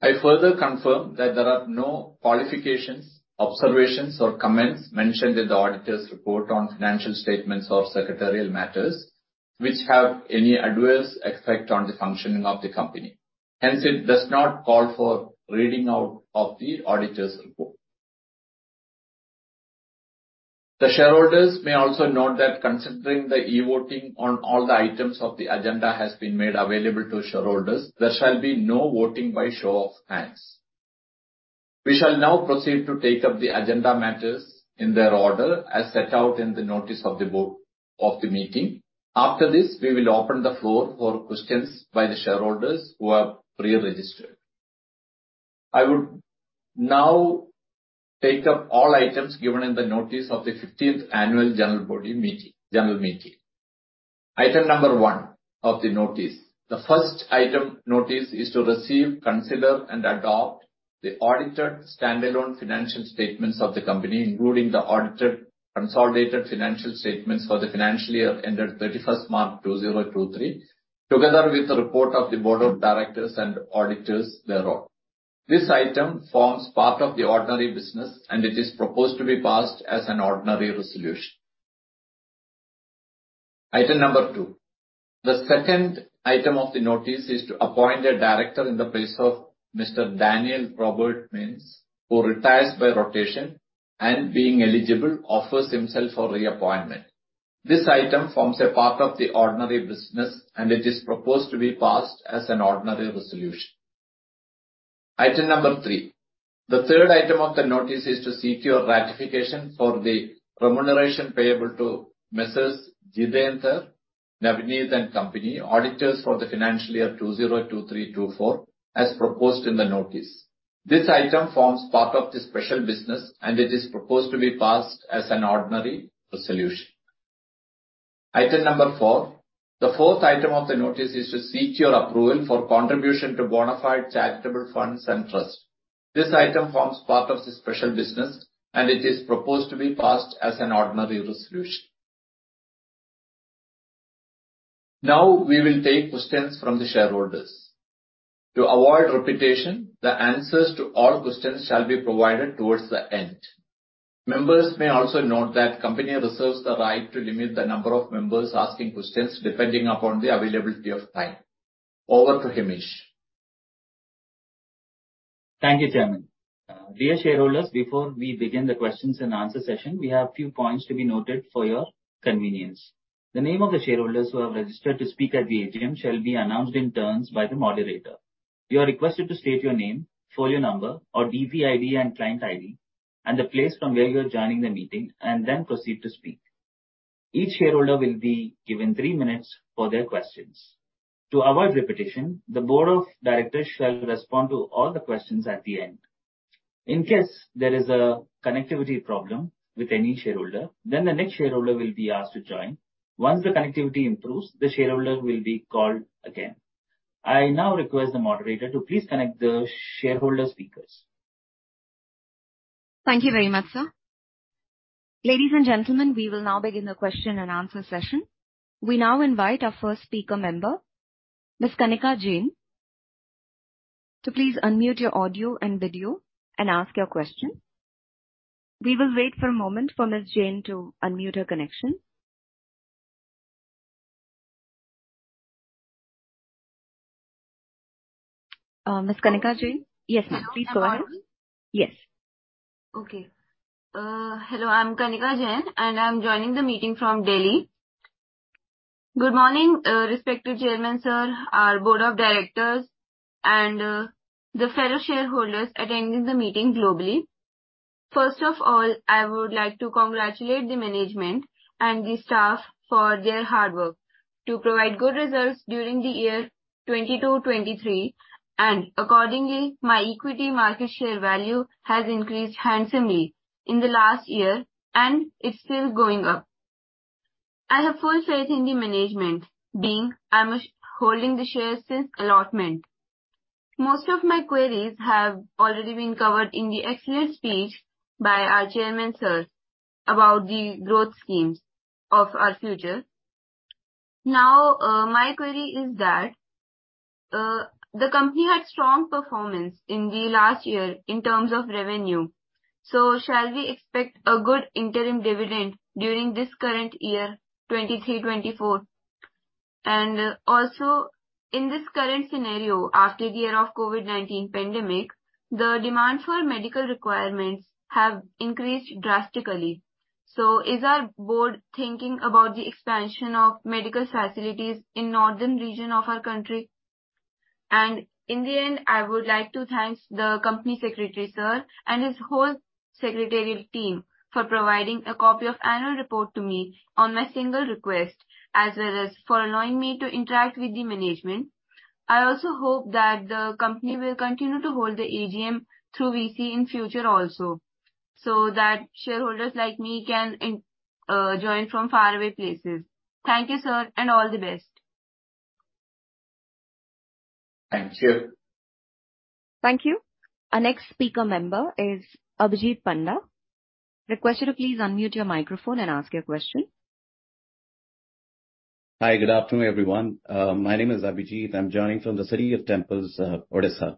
[SPEAKER 2] I further confirm that there are no qualifications, observations, or comments mentioned in the auditor's report on financial statements or secretarial matters, which have any adverse effect on the functioning of the company. Hence, it does not call for reading out of the auditor's report. The shareholders may also note that considering the e-voting on all the items of the agenda has been made available to shareholders, there shall be no voting by show of hands. We shall now proceed to take up the agenda matters in their order, as set out in the notice of the board of the meeting. After this, we will open the floor for questions by the shareholders who have pre-registered. I would now take up all items given in the Notice of the 15th Annual General Meeting, General Meeting. Item number one of the notice. The first item notice is to receive, consider, and adopt the audited standalone financial statements of the company, including the audited consolidated financial statements for the financial year ended 31 March 2023, together with the report of the Board of Directors and auditors thereof. This item forms part of the ordinary business, and it is proposed to be passed as an ordinary resolution. Item number two. The second item of the notice is to appoint a Director in the place of Mr. Daniel Robert Mintz, who retires by rotation and, being eligible, offers himself for reappointment. This item forms a part of the ordinary business, and it is proposed to be passed as an ordinary resolution. Item number three. The third item of the notice is to seek your ratification for the remuneration payable to Messrs. Jitendra Navneet & Company, auditors for the financial year 2023-2024, as proposed in the notice. This item forms part of the special business, and it is proposed to be passed as an ordinary resolution. Item number four. The fourth item of the notice is to seek your approval for contribution to bona fide charitable funds and trust. This item forms part of the special business, and it is proposed to be passed as an ordinary resolution. Now, we will take questions from the shareholders. To avoid repetition, the answers to all questions shall be provided towards the end. Members may also note that company reserves the right to limit the number of members asking questions, depending upon the availability of time. Over to Hemish.
[SPEAKER 5] Thank you, Chairman. Dear shareholders, before we begin the questions and answer session, we have a few points to be noted for your convenience. The name of the shareholders who have registered to speak at the AGM shall be announced in turns by the moderator. You are requested to state your name, folio number or DP ID and client ID, and the place from where you are joining the meeting, and then proceed to speak. Each shareholder will be given three minutes for their questions. To avoid repetition, the board of directors shall respond to all the questions at the end. In case there is a connectivity problem with any shareholder, then the next shareholder will be asked to join. Once the connectivity improves, the shareholder will be called again. I now request the moderator to please connect the shareholder speakers.
[SPEAKER 1] Thank you very much, sir. Ladies and gentlemen, we will now begin the question and answer session. We now invite our first speaker member, Ms. Kanika Jain. Please unmute your audio and video and ask your question. We will wait for a moment for Ms. Jain to unmute her connection. Ms. Kanika Jain?
[SPEAKER 6] Yes, ma'am.
[SPEAKER 1] Please go ahead. Yes.
[SPEAKER 6] Okay. Hello, I'm Kanika Jain, and I'm joining the meeting from Delhi. Good morning, respective Chairman, sir, our Board of Directors, and the fellow shareholders attending the meeting globally. First of all, I would like to congratulate the management and the staff for their hard work to provide good results during the year 2022-2023, and accordingly, my equity market share value has increased handsomely in the last year, and it's still going up.... I have full faith in the management, being I'm holding the shares since allotment. Most of my queries have already been covered in the excellent speech by our Chairman, sir, about the growth schemes of our future. Now, my query is that, the company had strong performance in the last year in terms of revenue, so shall we expect a good interim dividend during this current year, 2023-2024? And also, in this current scenario, after the year of COVID-19 pandemic, the demand for medical requirements have increased drastically. So is our Board thinking about the expansion of medical facilities in northern region of our country? And in the end, I would like to thank the Company Secretary, sir, and his whole secretarial team, for providing a copy of annual report to me on my single request, as well as for allowing me to interact with the management. I also hope that the company will continue to hold the AGM through VC in future also, so that shareholders like me can join from faraway places. Thank you, sir, and all the best.
[SPEAKER 2] Thank you.
[SPEAKER 1] Thank you. Our next speaker member is Abhijeet Panda. Request you to please unmute your microphone and ask your question.
[SPEAKER 7] Hi. Good afternoon, everyone. My name is Abhijeet. I'm joining from the city of Temples, Odisha.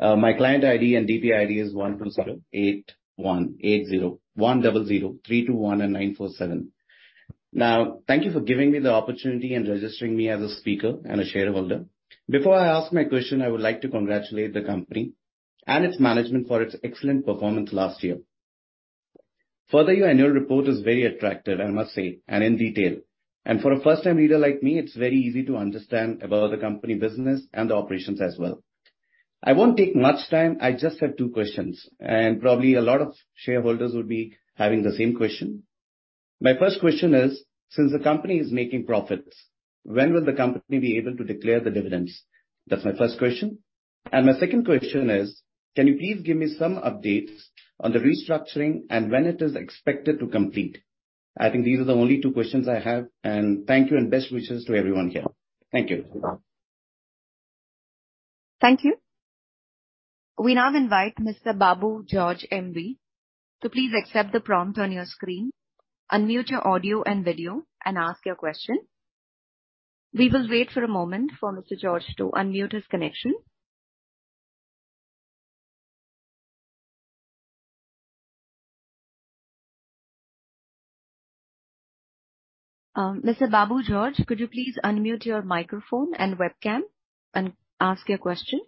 [SPEAKER 7] My client ID and DP ID is 12781801 00321947. Now, thank you for giving me the opportunity and registering me as a speaker and a shareholder. Before I ask my question, I would like to congratulate the company and its management for its excellent performance last year. Further, your annual report is very attractive, I must say, and in detail. For a first-time reader like me, it's very easy to understand about the company business and the operations as well. I won't take much time. I just have two questions, and probably a lot of shareholders would be having the same question. My first question is: Since the company is making profits, when will the company be able to declare the dividends? That's my first question. And my second question is: Can you please give me some updates on the restructuring and when it is expected to complete? I think these are the only two questions I have, and thank you and best wishes to everyone here. Thank you.
[SPEAKER 1] Thank you. We now invite Mr. Babu George MV to please accept the prompt on your screen, unmute your audio and video, and ask your question. We will wait for a moment for Mr. George to unmute his connection. Mr. Babu George, could you please unmute your microphone and webcam and ask your question?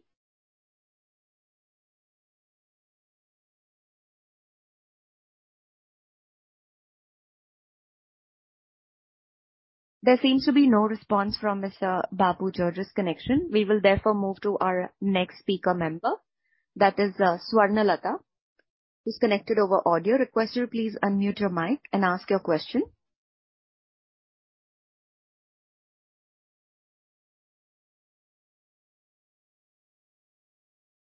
[SPEAKER 1] There seems to be no response from Mr. Babu George's connection. We will therefore move to our next speaker member, that is, Swarna Latha, who's connected over audio. Request you to please unmute your mic and ask your question.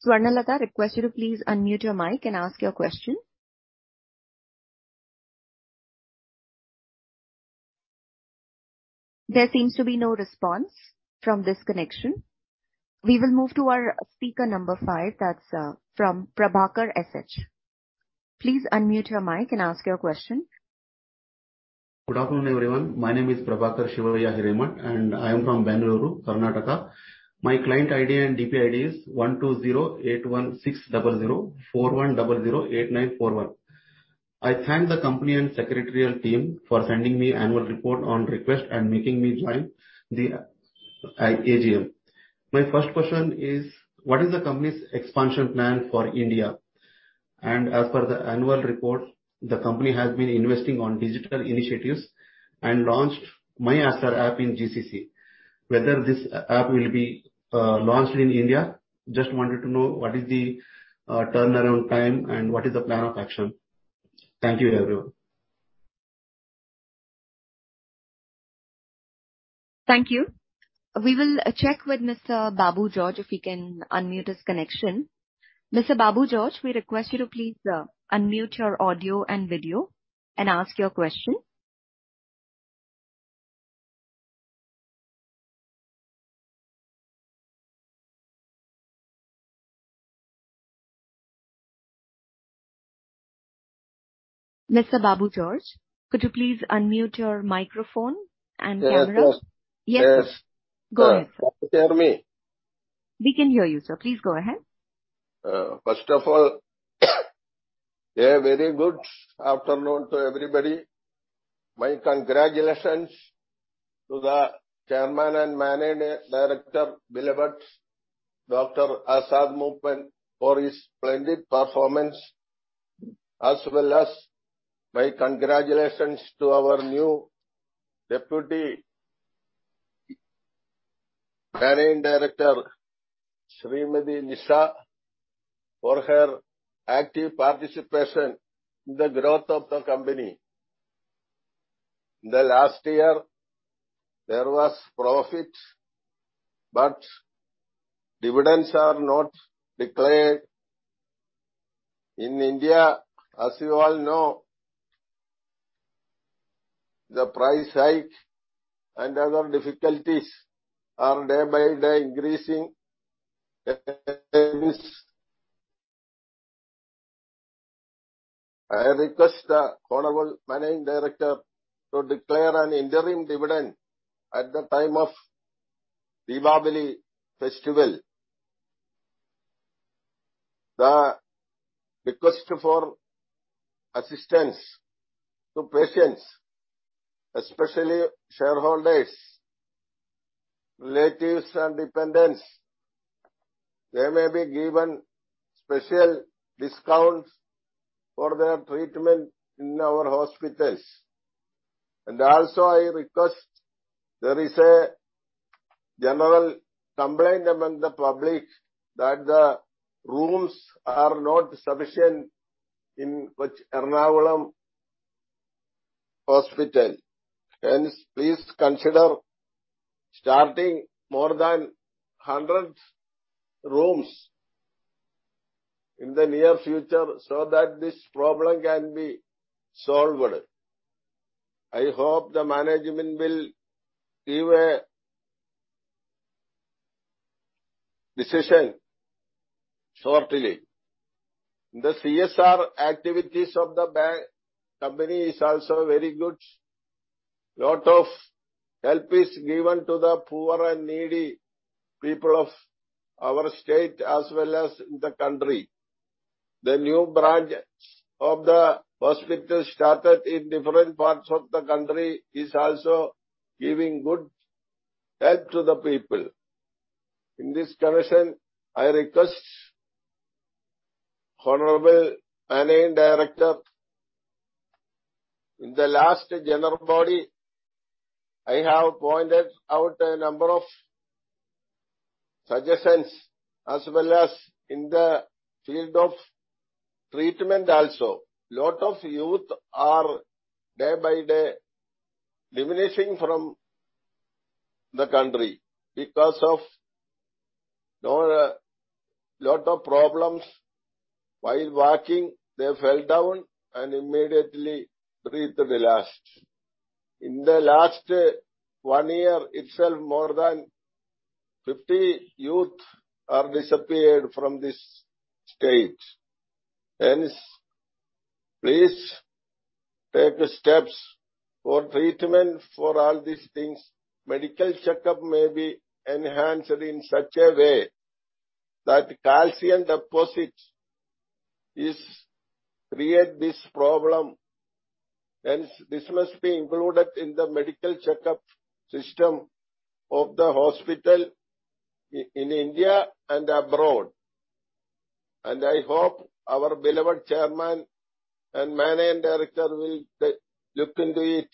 [SPEAKER 1] Swarna Latha, request you to please unmute your mic and ask your question. There seems to be no response from this connection. We will move to our speaker number five, that's, from Prabhakar S.H. Please unmute your mic and ask your question.
[SPEAKER 8] Good afternoon, everyone. My name is Prabhakar Shivayya Hiremath, and I am from Bengaluru, Karnataka. My client ID and DP ID is 1208160041008941. I thank the company and secretarial team for sending me annual report on request and making me join the AGM. My first question is: What is the company's expansion plan for India? And as per the annual report, the company has been investing on digital initiatives and launched myAster app in GCC. Whether this app will be launched in India, just wanted to know what is the turnaround time and what is the plan of action? Thank you, everyone.
[SPEAKER 1] Thank you. We will check with Mr. Babu George if he can unmute his connection. Mr. Babu George, we request you to please unmute your audio and video and ask your question. Mr. Babu George, could you please unmute your microphone and camera?
[SPEAKER 9] Yes, yes.
[SPEAKER 1] Yes. Go ahead, sir.
[SPEAKER 9] Hear me?
[SPEAKER 1] We can hear you, sir. Please go ahead.
[SPEAKER 9] First of all, a very good afternoon to everybody. My congratulations to the Chairman and Managing Director, beloved Dr. Azad Moopen, for his splendid performance, as well as my congratulations to our new Deputy Managing Director, Srimati Alisha, for her active participation in the growth of the company. In the last year, there was profit, but dividends are not declared. In India, as you all know, the price hikes and other difficulties are day by day increasing. Hence, I request the honorable Managing Director to declare an interim dividend at the time of Deepavali festival. The request for assistance to patients, especially shareholders, relatives and dependents, they may be given special discounts for their treatment in our hospitals. And also I request, there is a general complaint among the public that the rooms are not sufficient in which Ernakulam Hospital. Hence, please consider starting more than 100 rooms in the near future so that this problem can be solved. I hope the management will give a decision shortly. The CSR activities of the company is also very good. A lot of help is given to the poor and needy people of our state as well as in the country. The new branches of the hospital started in different parts of the country is also giving good help to the people. In this connection, I request honorable Managing Director, in the last general body, I have pointed out a number of suggestions as well as in the field of treatment also. A lot of youth are day by day diminishing from the country because of no, a lot of problems. While walking, they fell down and immediately breathed the last. In the last one year itself, more than 50 youth are disappeared from this state. Hence, please take steps for treatment for all these things. Medical checkup may be enhanced in such a way that calcium deposits is create this problem. Hence, this must be included in the medical checkup system of the hospital in India and abroad. I hope our beloved Chairman and Managing Director will look into it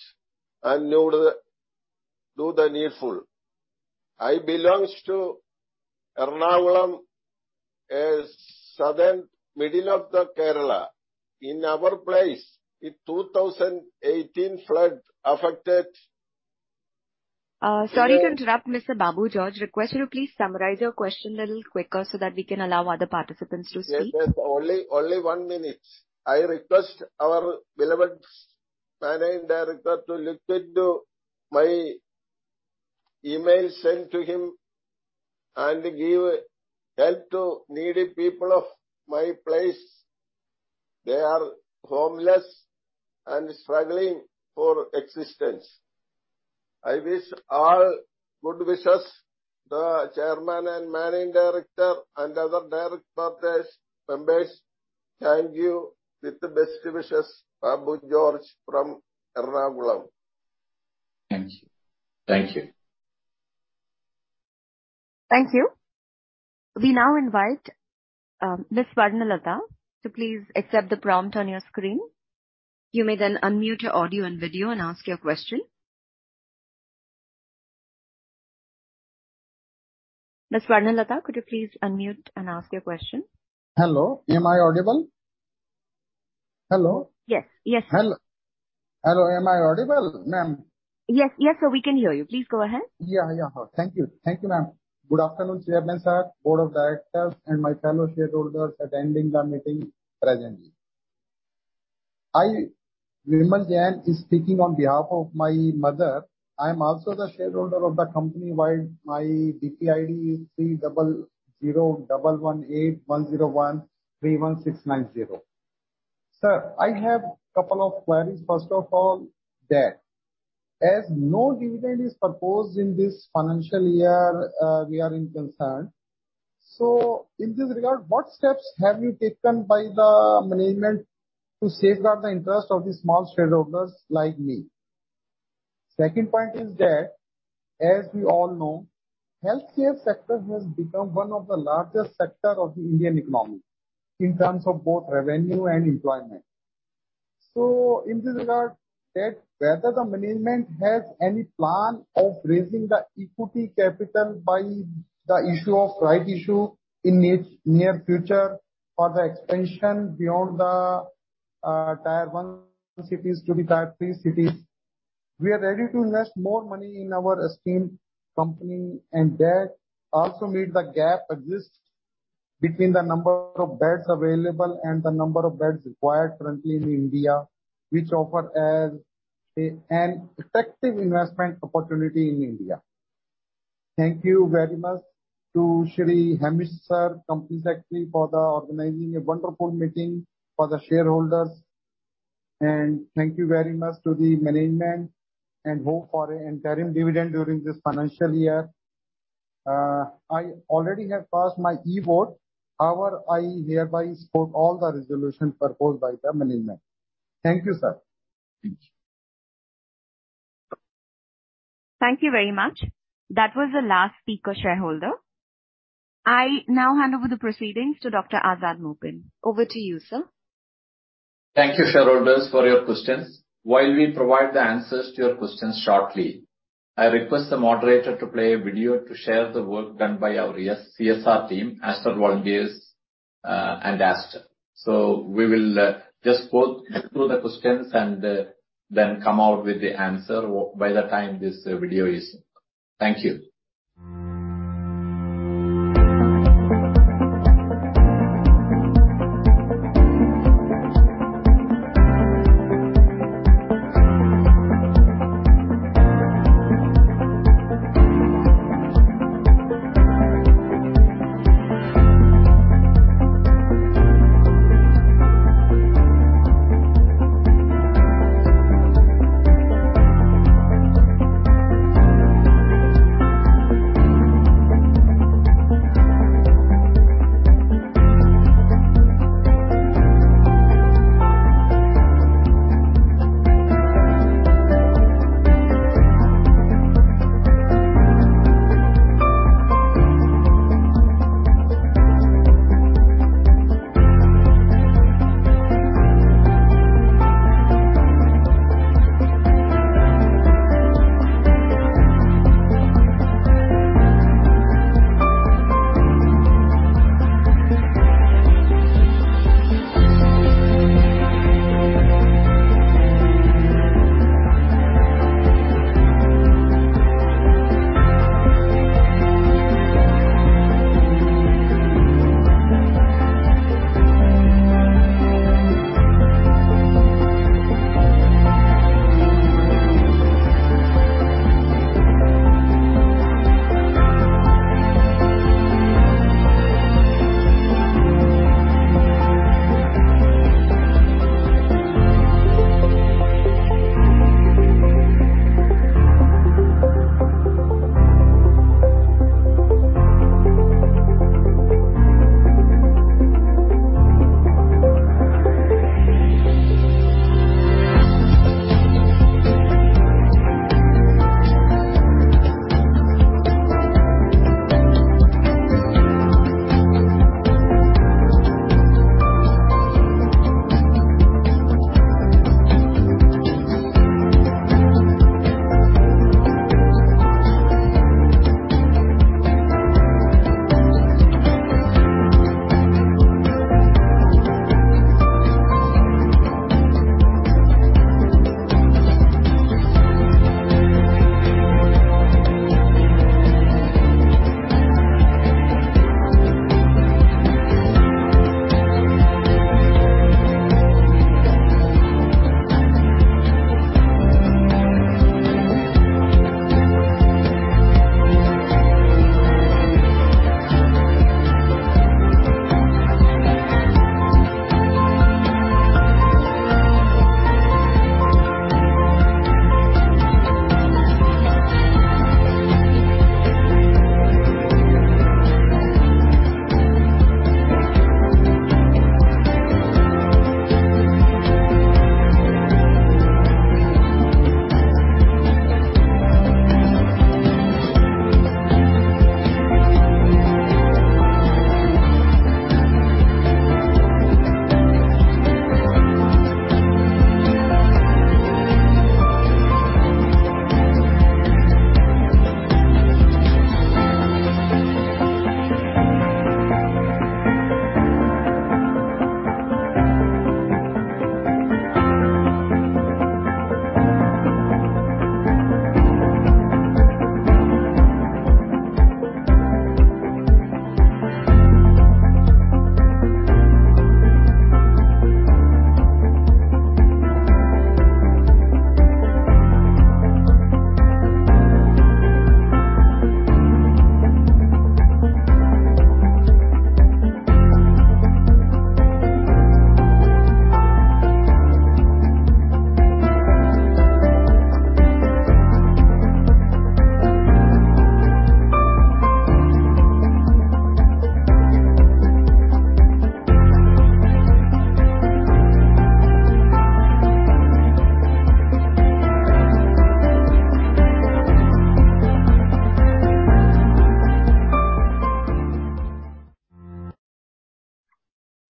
[SPEAKER 9] and know the... Do the needful. I belongs to Ernakulam, southern middle of the Kerala. In our place, in 2018, flood affected-
[SPEAKER 1] Sorry to interrupt, Mr. Babu George. Request you to please summarize your question a little quicker so that we can allow other participants to speak.
[SPEAKER 9] Yes, yes. Only one minute. I request our beloved managing director to look into my email sent to him and give help to needy people of my place. They are homeless and struggling for existence. I wish all good wishes, the Chairman and Managing Director and other direct members. Thank you. With best wishes, Babu George from Ernakulam.
[SPEAKER 2] Thank you. Thank you.
[SPEAKER 1] Thank you. We now invite Ms. Swarna Latha to please accept the prompt on your screen. You may then unmute your audio and video and ask your question. Ms. Swarna Latha, could you please unmute and ask your question?
[SPEAKER 10] Hello, am I audible? Hello?
[SPEAKER 1] Yes. Yes.
[SPEAKER 10] Hello. Hello, am I audible, ma'am?
[SPEAKER 1] Yes, yes, sir, we can hear you. Please go ahead.
[SPEAKER 10] Yeah, yeah. Thank you. Thank you, ma'am. Good afternoon, Chairman, sir, Board of Directors and my fellow shareholders attending the meeting presently. I, Nimal Jain, is speaking on behalf of my mother. I am also the shareholder of the company while my DP ID is 300011810131690. Sir, I have a couple of queries. First of all, that as no dividend is proposed in this financial year, we are concerned. So in this regard, what steps have you taken by the management to safeguard the interest of the small shareholders like me? Second point is that, as we all know, healthcare sector has become one of the largest sector of the Indian economy in terms of both revenue and employment. So in this regard, that whether the management has any plan of raising the equity capital by the issue of right issue in the near future for the expansion beyond the Tier I cities to the Tier III cities? We are ready to invest more money in our esteemed company, and that also meet the gap exist between the number of beds available and the number of beds required currently in India, which offer as a, an effective investment opportunity in India. Thank you very much to Shri Hemish, sir, Company Secretary, for the organizing a wonderful meeting for the shareholders. And thank you very much to the management, and hope for an interim dividend during this financial year. I already have passed my e-vote. However, I hereby support all the resolutions proposed by the management. Thank you, sir.
[SPEAKER 1] Thank you very much. That was the last speaker shareholder. I now hand over the proceedings to Dr. Azad Moopen. Over to you, sir.
[SPEAKER 2] Thank you, shareholders, for your questions. While we provide the answers to your questions shortly, I request the moderator to play a video to share the work done by our ESG CSR team, Aster Volunteers, and Aster. We will just go through the questions and then come out with the answer by the time this video is. Thank you.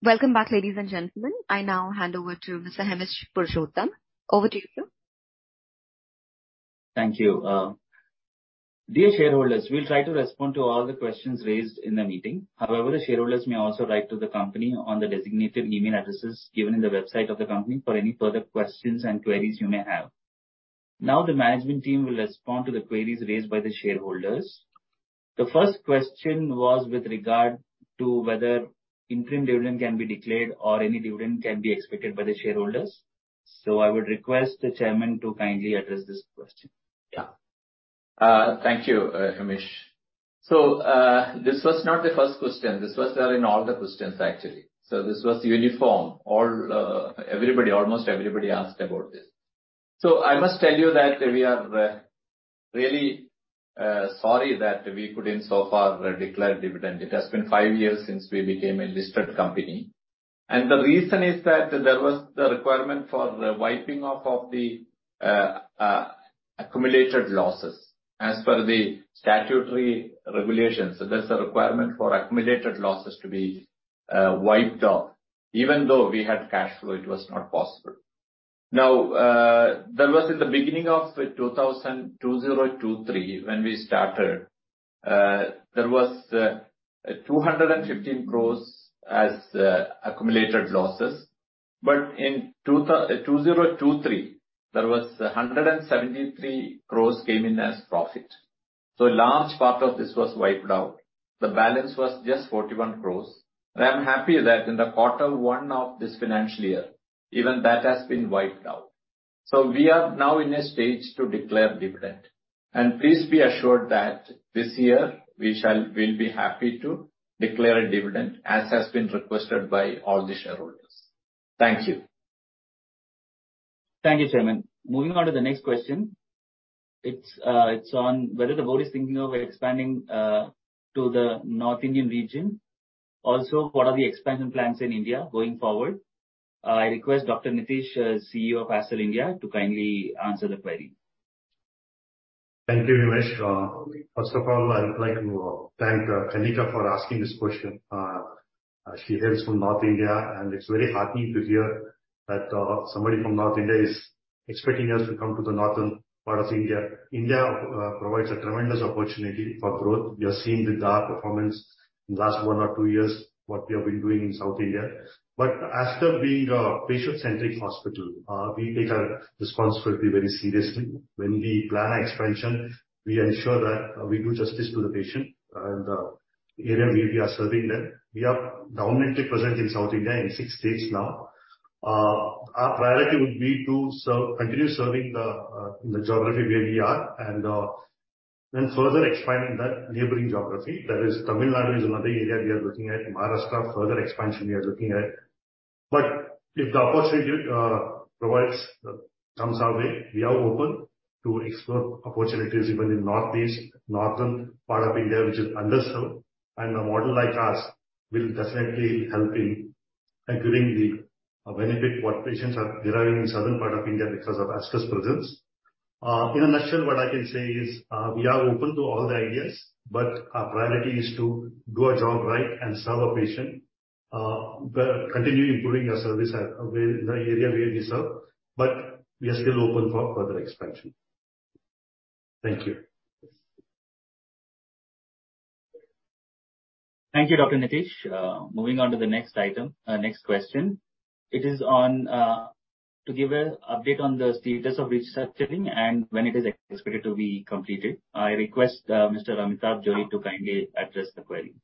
[SPEAKER 1] Welcome back, ladies and gentlemen. I now hand over to Mr. Hemish Purushottam. Over to you, sir.
[SPEAKER 5] Thank you, Dear shareholders, we'll try to respond to all the questions raised in the meeting. However, the shareholders may also write to the company on the designated email addresses given in the website of the company for any further questions and queries you may have. Now, the management team will respond to the queries raised by the shareholders. The first question was with regard to whether interim dividend can be declared or any dividend can be expected by the shareholders. I would request the Chairman to kindly address this question.
[SPEAKER 2] Yeah. Thank you, Hemish. So, this was not the first question. This was there in all the questions, actually. So this was uniform. All, everybody, almost everybody asked about this. So I must tell you that we are really sorry that we couldn't so far declare dividend. It has been five years since we became a listed company, and the reason is that there was the requirement for the wiping off of the accumulated losses, as per the statutory regulations. So there's a requirement for accumulated losses to be wiped off. Even though we had cash flow, it was not possible. Now, that was in the beginning of 2023, when we started, there was 215 crore as accumulated losses. But in 2023, there was 173 crore came in as profit. So a large part of this was wiped out. The balance was just 41 crore. And I'm happy that in the quarter one of this financial year, even that has been wiped out. So we are now in a stage to declare dividend, and please be assured that this year we'll be happy to declare a dividend, as has been requested by all the shareholders. Thank you.
[SPEAKER 5] Thank you, Chairman. Moving on to the next question. It's, it's on whether the board is thinking of expanding to the North Indian region. Also, what are the expansion plans in India going forward? I request Dr. Nitish, CEO of Aster India, to kindly answer the query.
[SPEAKER 11] Thank you, Hemish. First of all, I would like to thank Kanika for asking this question. She hails from North India, and it's very heartening to hear that somebody from North India is expecting us to come to the northern part of India. India provides a tremendous opportunity for growth. We are seeing the data performance in the last one or two years, what we have been doing in South India. But Aster being a patient-centric hospital, we take our responsibility very seriously. When we plan our expansion, we ensure that we do justice to the patient in the area where we are serving them. We are dominantly present in South India in six states now. Our priority would be to serve, continue serving the geography where we are and then further expanding that neighboring geography. That is, Tamil Nadu is another area we are looking at, Maharashtra, further expansion we are looking at. But if the opportunity, provides, comes our way, we are open to explore opportunities even in Northeast, northern part of India, which is underserved, and a model like us will definitely help in acquiring the benefit what patients are deriving in southern part of India because of Aster's presence. In a nutshell, what I can say is, we are open to all the ideas, but our priority is to do our job right and serve our patient, but continue improving our service at where, the area where we serve, but we are still open for further expansion. Thank you.
[SPEAKER 5] Thank you, Dr. Nitish. Moving on to the next item, next question. It is on to give an update on the status of restructuring and when it is expected to be completed. I request Mr. Amitabh Johri to kindly address the query.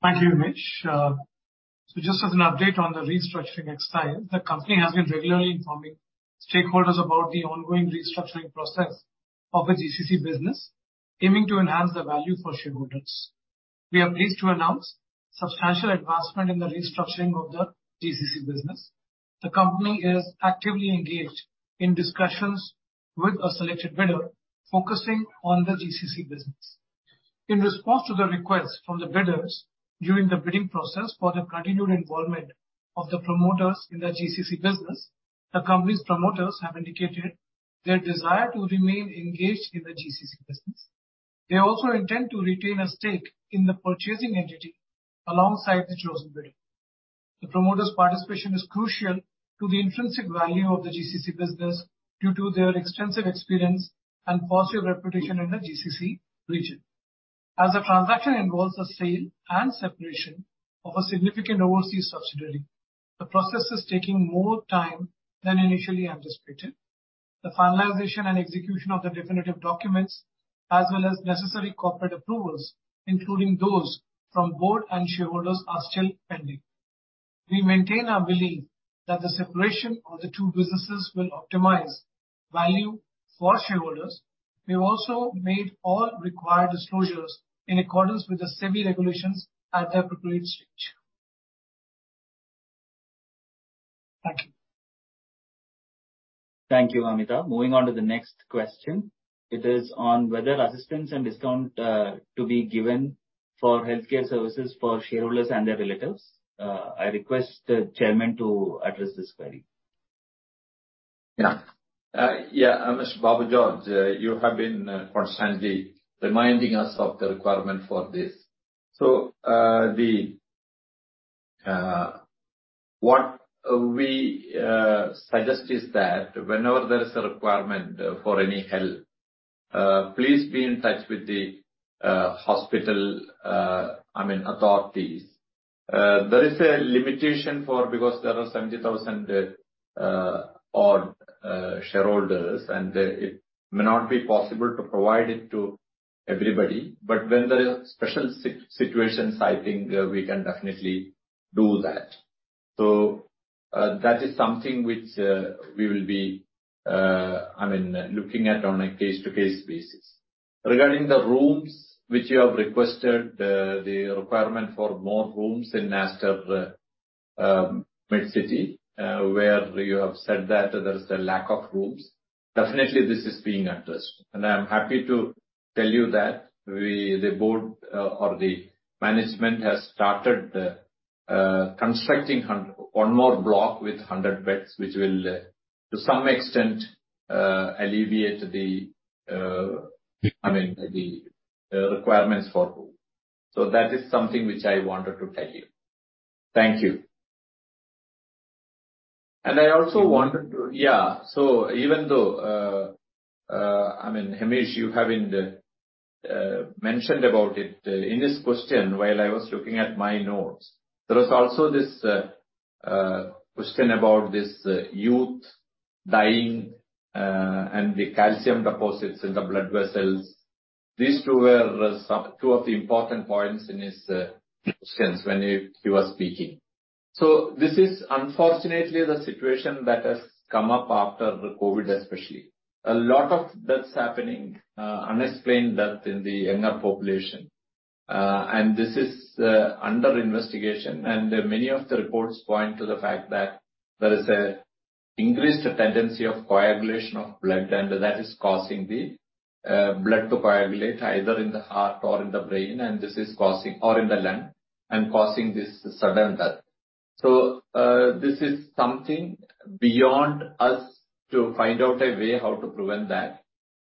[SPEAKER 12] Thank you, Hemish. Just as an update on the restructuring exercise, the company has been regularly informing stakeholders about the ongoing restructuring process of the GCC business, aiming to enhance the value for shareholders. We are pleased to announce substantial advancement in the restructuring of the GCC business. The company is actively engaged in discussions with a selected bidder focusing on the GCC business. In response to the request from the bidders during the bidding process for the continued involvement of the promoters in the GCC business, the company's promoters have indicated their desire to remain engaged in the GCC business. They also intend to retain a stake in the purchasing entity alongside the chosen bidder. The promoter's participation is crucial to the intrinsic value of the GCC business due to their extensive experience and positive reputation in the GCC region. As the transaction involves the sale and separation of a significant overseas subsidiary, the process is taking more time than initially anticipated. The finalization and execution of the definitive documents, as well as necessary corporate approvals, including those from board and shareholders, are still pending. We maintain our belief that the separation of the two businesses will optimize value for shareholders. We've also made all required disclosures in accordance with the SEBI regulations at the appropriate stage. Thank you.
[SPEAKER 5] Thank you, Amitabh. Moving on to the next question. It is on whether assistance and discount to be given for healthcare services for shareholders and their relatives. I request the Chairman to address this query.
[SPEAKER 2] Yeah. Yeah, Mr. Babu George, you have been constantly reminding us of the requirement for this. So, what we suggest is that whenever there is a requirement for any help, please be in touch with the hospital, I mean, authorities. There is a limitation for, because there are 70,000-odd shareholders, and it may not be possible to provide it to everybody. But when there are special situations, I think we can definitely do that. So, that is something which we will be, I mean, looking at on a case-to-case basis. Regarding the rooms which you have requested, the requirement for more rooms in Aster Medcity, where you have said that there is a lack of rooms. Definitely this is being addressed, and I am happy to tell you that we, the board, or the management has started constructing one more block with 100 beds, which will, to some extent, alleviate the, I mean, the requirements for room. So that is something which I wanted to tell you. Thank you. And I also wanted to- Yeah, so even though, I mean, Hemish, you haven't mentioned about it in this question, while I was looking at my notes, there was also this question about this youth dying and the calcium deposits in the blood vessels. These two were some, two of the important points in his questions when he was speaking. So this is unfortunately the situation that has come up after the COVID, especially. A lot of deaths happening, unexplained death in the younger population. And this is under investigation, and many of the reports point to the fact that there is a increased tendency of coagulation of blood, and that is causing the blood to coagulate either in the heart or in the brain, and this is causing, or in the lung, and causing this sudden death. So, this is something beyond us to find out a way how to prevent that.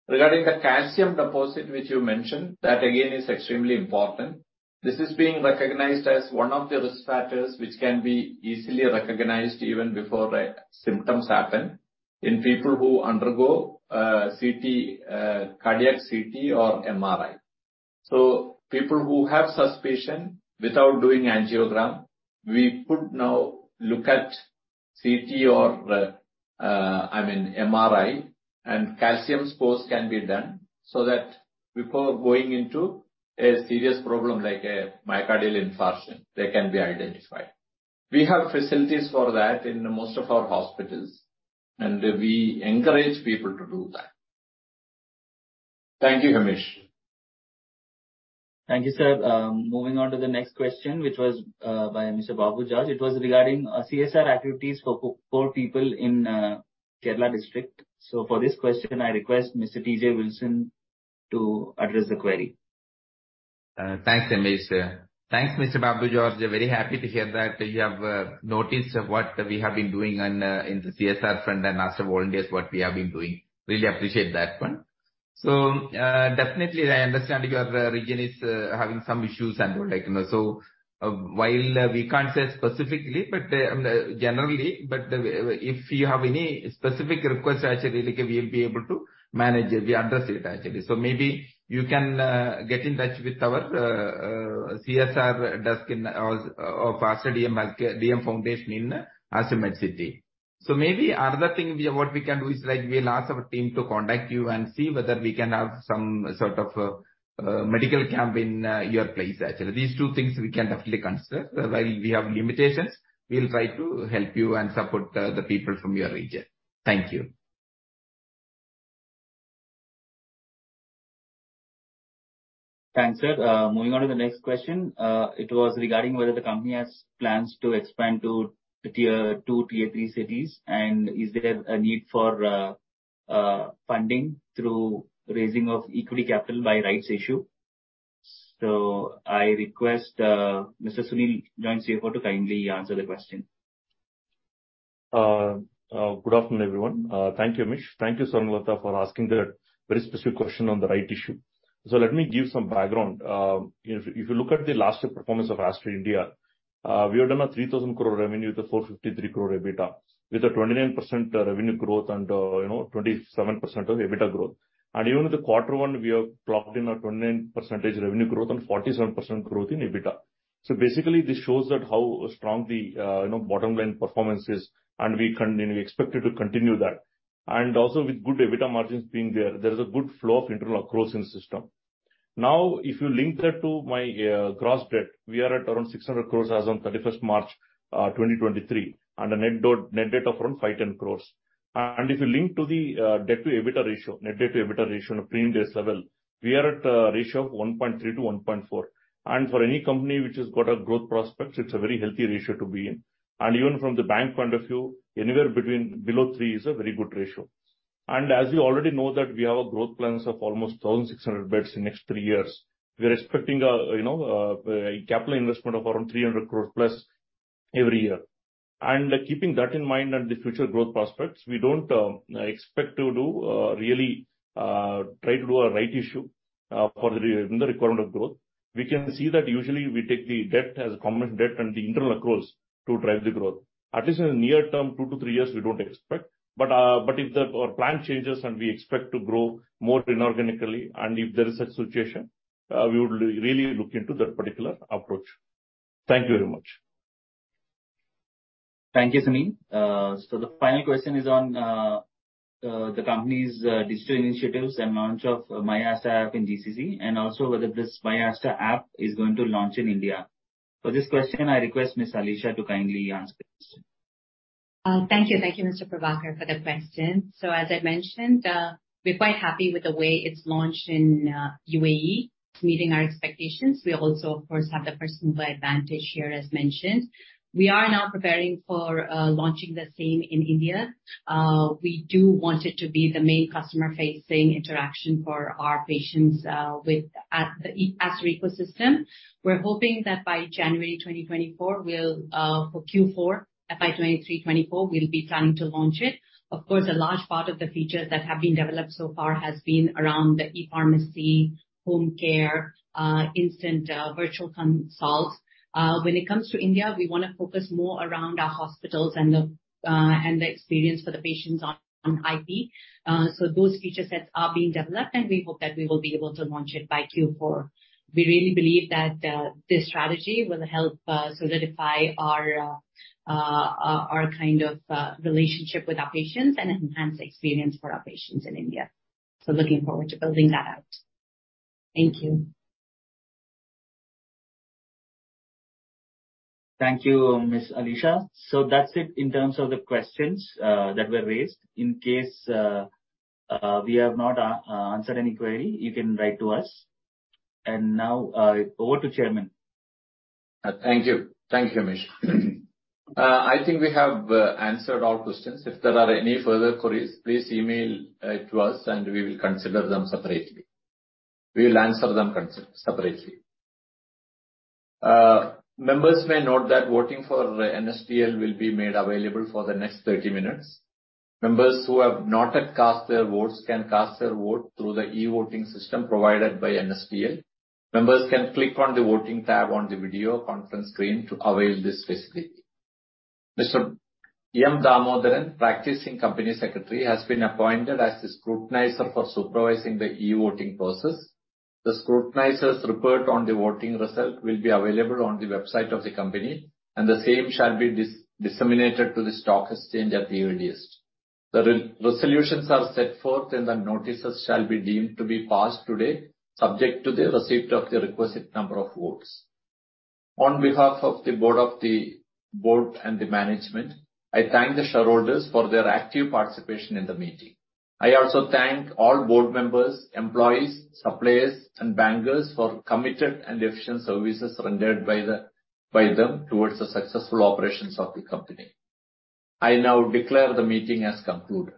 [SPEAKER 2] Regarding the calcium deposit, which you mentioned, that, again, is extremely important. This is being recognized as one of the risk factors, which can be easily recognized even before the symptoms happen, in people who undergo CT, cardiac CT or MRI. So people who have suspicion without doing angiogram, we could now look at CT or, I mean, MRI, and calcium scores can be done, so that before going into a serious problem like a myocardial infarction, they can be identified. We have facilities for that in most of our hospitals, and we encourage people to do that. Thank you, Hamish.
[SPEAKER 5] Thank you, sir. Moving on to the next question, which was by Mr. Babu George. It was regarding CSR activities for poor people in Kerala district. So for this question, I request Mr. T. J. Wilson to address the query.
[SPEAKER 13] Thanks, Hemish. Thanks, Mr. Babu George. We're very happy to hear that you have noticed what we have been doing on in the CSR front, and Aster Volunteers, what we have been doing. Really appreciate that one. So, definitely I understand your region is having some issues and all like, you know, so, while we can't say specifically, but generally, but if you have any specific request, actually, we will be able to manage it, we address it, actually. So maybe you can get in touch with our CSR desk in or Aster DM Foundation in Aster Medcity. So maybe another thing what we can do is, like, we'll ask our team to contact you and see whether we can have some sort of medical camp in your place, actually. These two things we can definitely consider. While we have limitations, we'll try to help you and support the people from your region. Thank you.
[SPEAKER 5] Thanks, sir. Moving on to the next question. It was regarding whether the company has plans to expand to the tier two, tier three cities, and is there a need for funding through raising of equity capital by rights issue? So I request Mr. Sunil Jain to kindly answer the question.
[SPEAKER 14] Good afternoon, everyone. Thank you, Hemish. Thank you, Saralota, for asking that very specific question on the right issue. So let me give some background. If you look at the last year performance of Aster India, we have done 3,000 crore revenue with 453 crore EBITDA, with 29% revenue growth and, you know, 27% EBITDA growth. Even the quarter one, we have clocked in 29% revenue growth and 47% growth in EBITDA. So basically, this shows that how strong the, you know, bottom line performance is, and we expect it to continue that. Also with good EBITDA margins being there, there is a good flow of internal accruals in the system. Now, if you link that to my gross debt, we are at around 600 crore as on March 31, 2023, and a net debt, net debt of around 510 crore. And if you link to the debt to EBITDA ratio, net debt to EBITDA ratio on a pro forma FY 2027, we are at a ratio of 1.3-1.4. And for any company which has got a growth prospect, it's a very healthy ratio to be in. And even from the bank point of view, anywhere below 3 is a very good ratio. And as you already know that we have growth plans of almost 1,600 beds in next three years. We are expecting a, you know, a capital investment of around 300 crore plus every year. And keeping that in mind and the future growth prospects, we don't expect to do really try to do a right issue for the in the requirement of growth. We can see that usually we take the debt as a commercial debt and the internal accruals to drive the growth. At least in the near term, two to three years, we don't expect. But, but if our plan changes and we expect to grow more inorganically, and if there is such situation, we would really look into that particular approach. Thank you very much.
[SPEAKER 5] Thank you, Sunil. The final question is on the company's digital initiatives and launch of myAster app in GCC, and also whether this myAster app is going to launch in India. For this question, I request Ms. Alisha to kindly answer this.
[SPEAKER 4] Thank you. Thank you, Mr. Prabhakar, for the question. So as I mentioned, we're quite happy with the way it's launched in UAE. It's meeting our expectations. We also, of course, have the first mover advantage here, as mentioned. We are now preparing for launching the same in India. We do want it to be the main customer-facing interaction for our patients with at the Aster ecosystem. We're hoping that by January 2024, we'll for Q4, FY 2023-2024, we'll be planning to launch it. Of course, a large part of the features that have been developed so far has been around the e-pharmacy, home care, instant virtual consults. When it comes to India, we wanna focus more around our hospitals and the and the experience for the patients on, on IP. So those feature sets are being developed, and we hope that we will be able to launch it by Q4. We really believe that this strategy will help solidify our kind of relationship with our patients and enhance the experience for our patients in India. So looking forward to building that out. Thank you.
[SPEAKER 5] Thank you, Ms. Alisha. So that's it in terms of the questions that were raised. In case we have not answered any query, you can write to us. And now, over to Chairman.
[SPEAKER 2] Thank you. Thank you, Hemish. I think we have answered all questions. If there are any further queries, please email to us, and we will consider them separately. We will answer them separately. Members may note that voting for NSDL will be made available for the next 30 minutes. Members who have not yet cast their votes can cast their vote through the e-voting system provided by NSDL. Members can click on the Voting tab on the video conference screen to avail this facility. Mr. M. Damodaran, practicing Company Secretary, has been appointed as the scrutinizer for supervising the e-voting process. The scrutinizer's report on the voting result will be available on the website of the company, and the same shall be disseminated to the stock exchange at the earliest. The re-resolutions are set forth, and the notices shall be deemed to be passed today, subject to the receipt of the requisite number of votes. On behalf of the board and the management, I thank the shareholders for their active participation in the meeting. I also thank all board members, employees, suppliers, and bankers for committed and efficient services rendered by them towards the successful operations of the company. I now declare the meeting as concluded.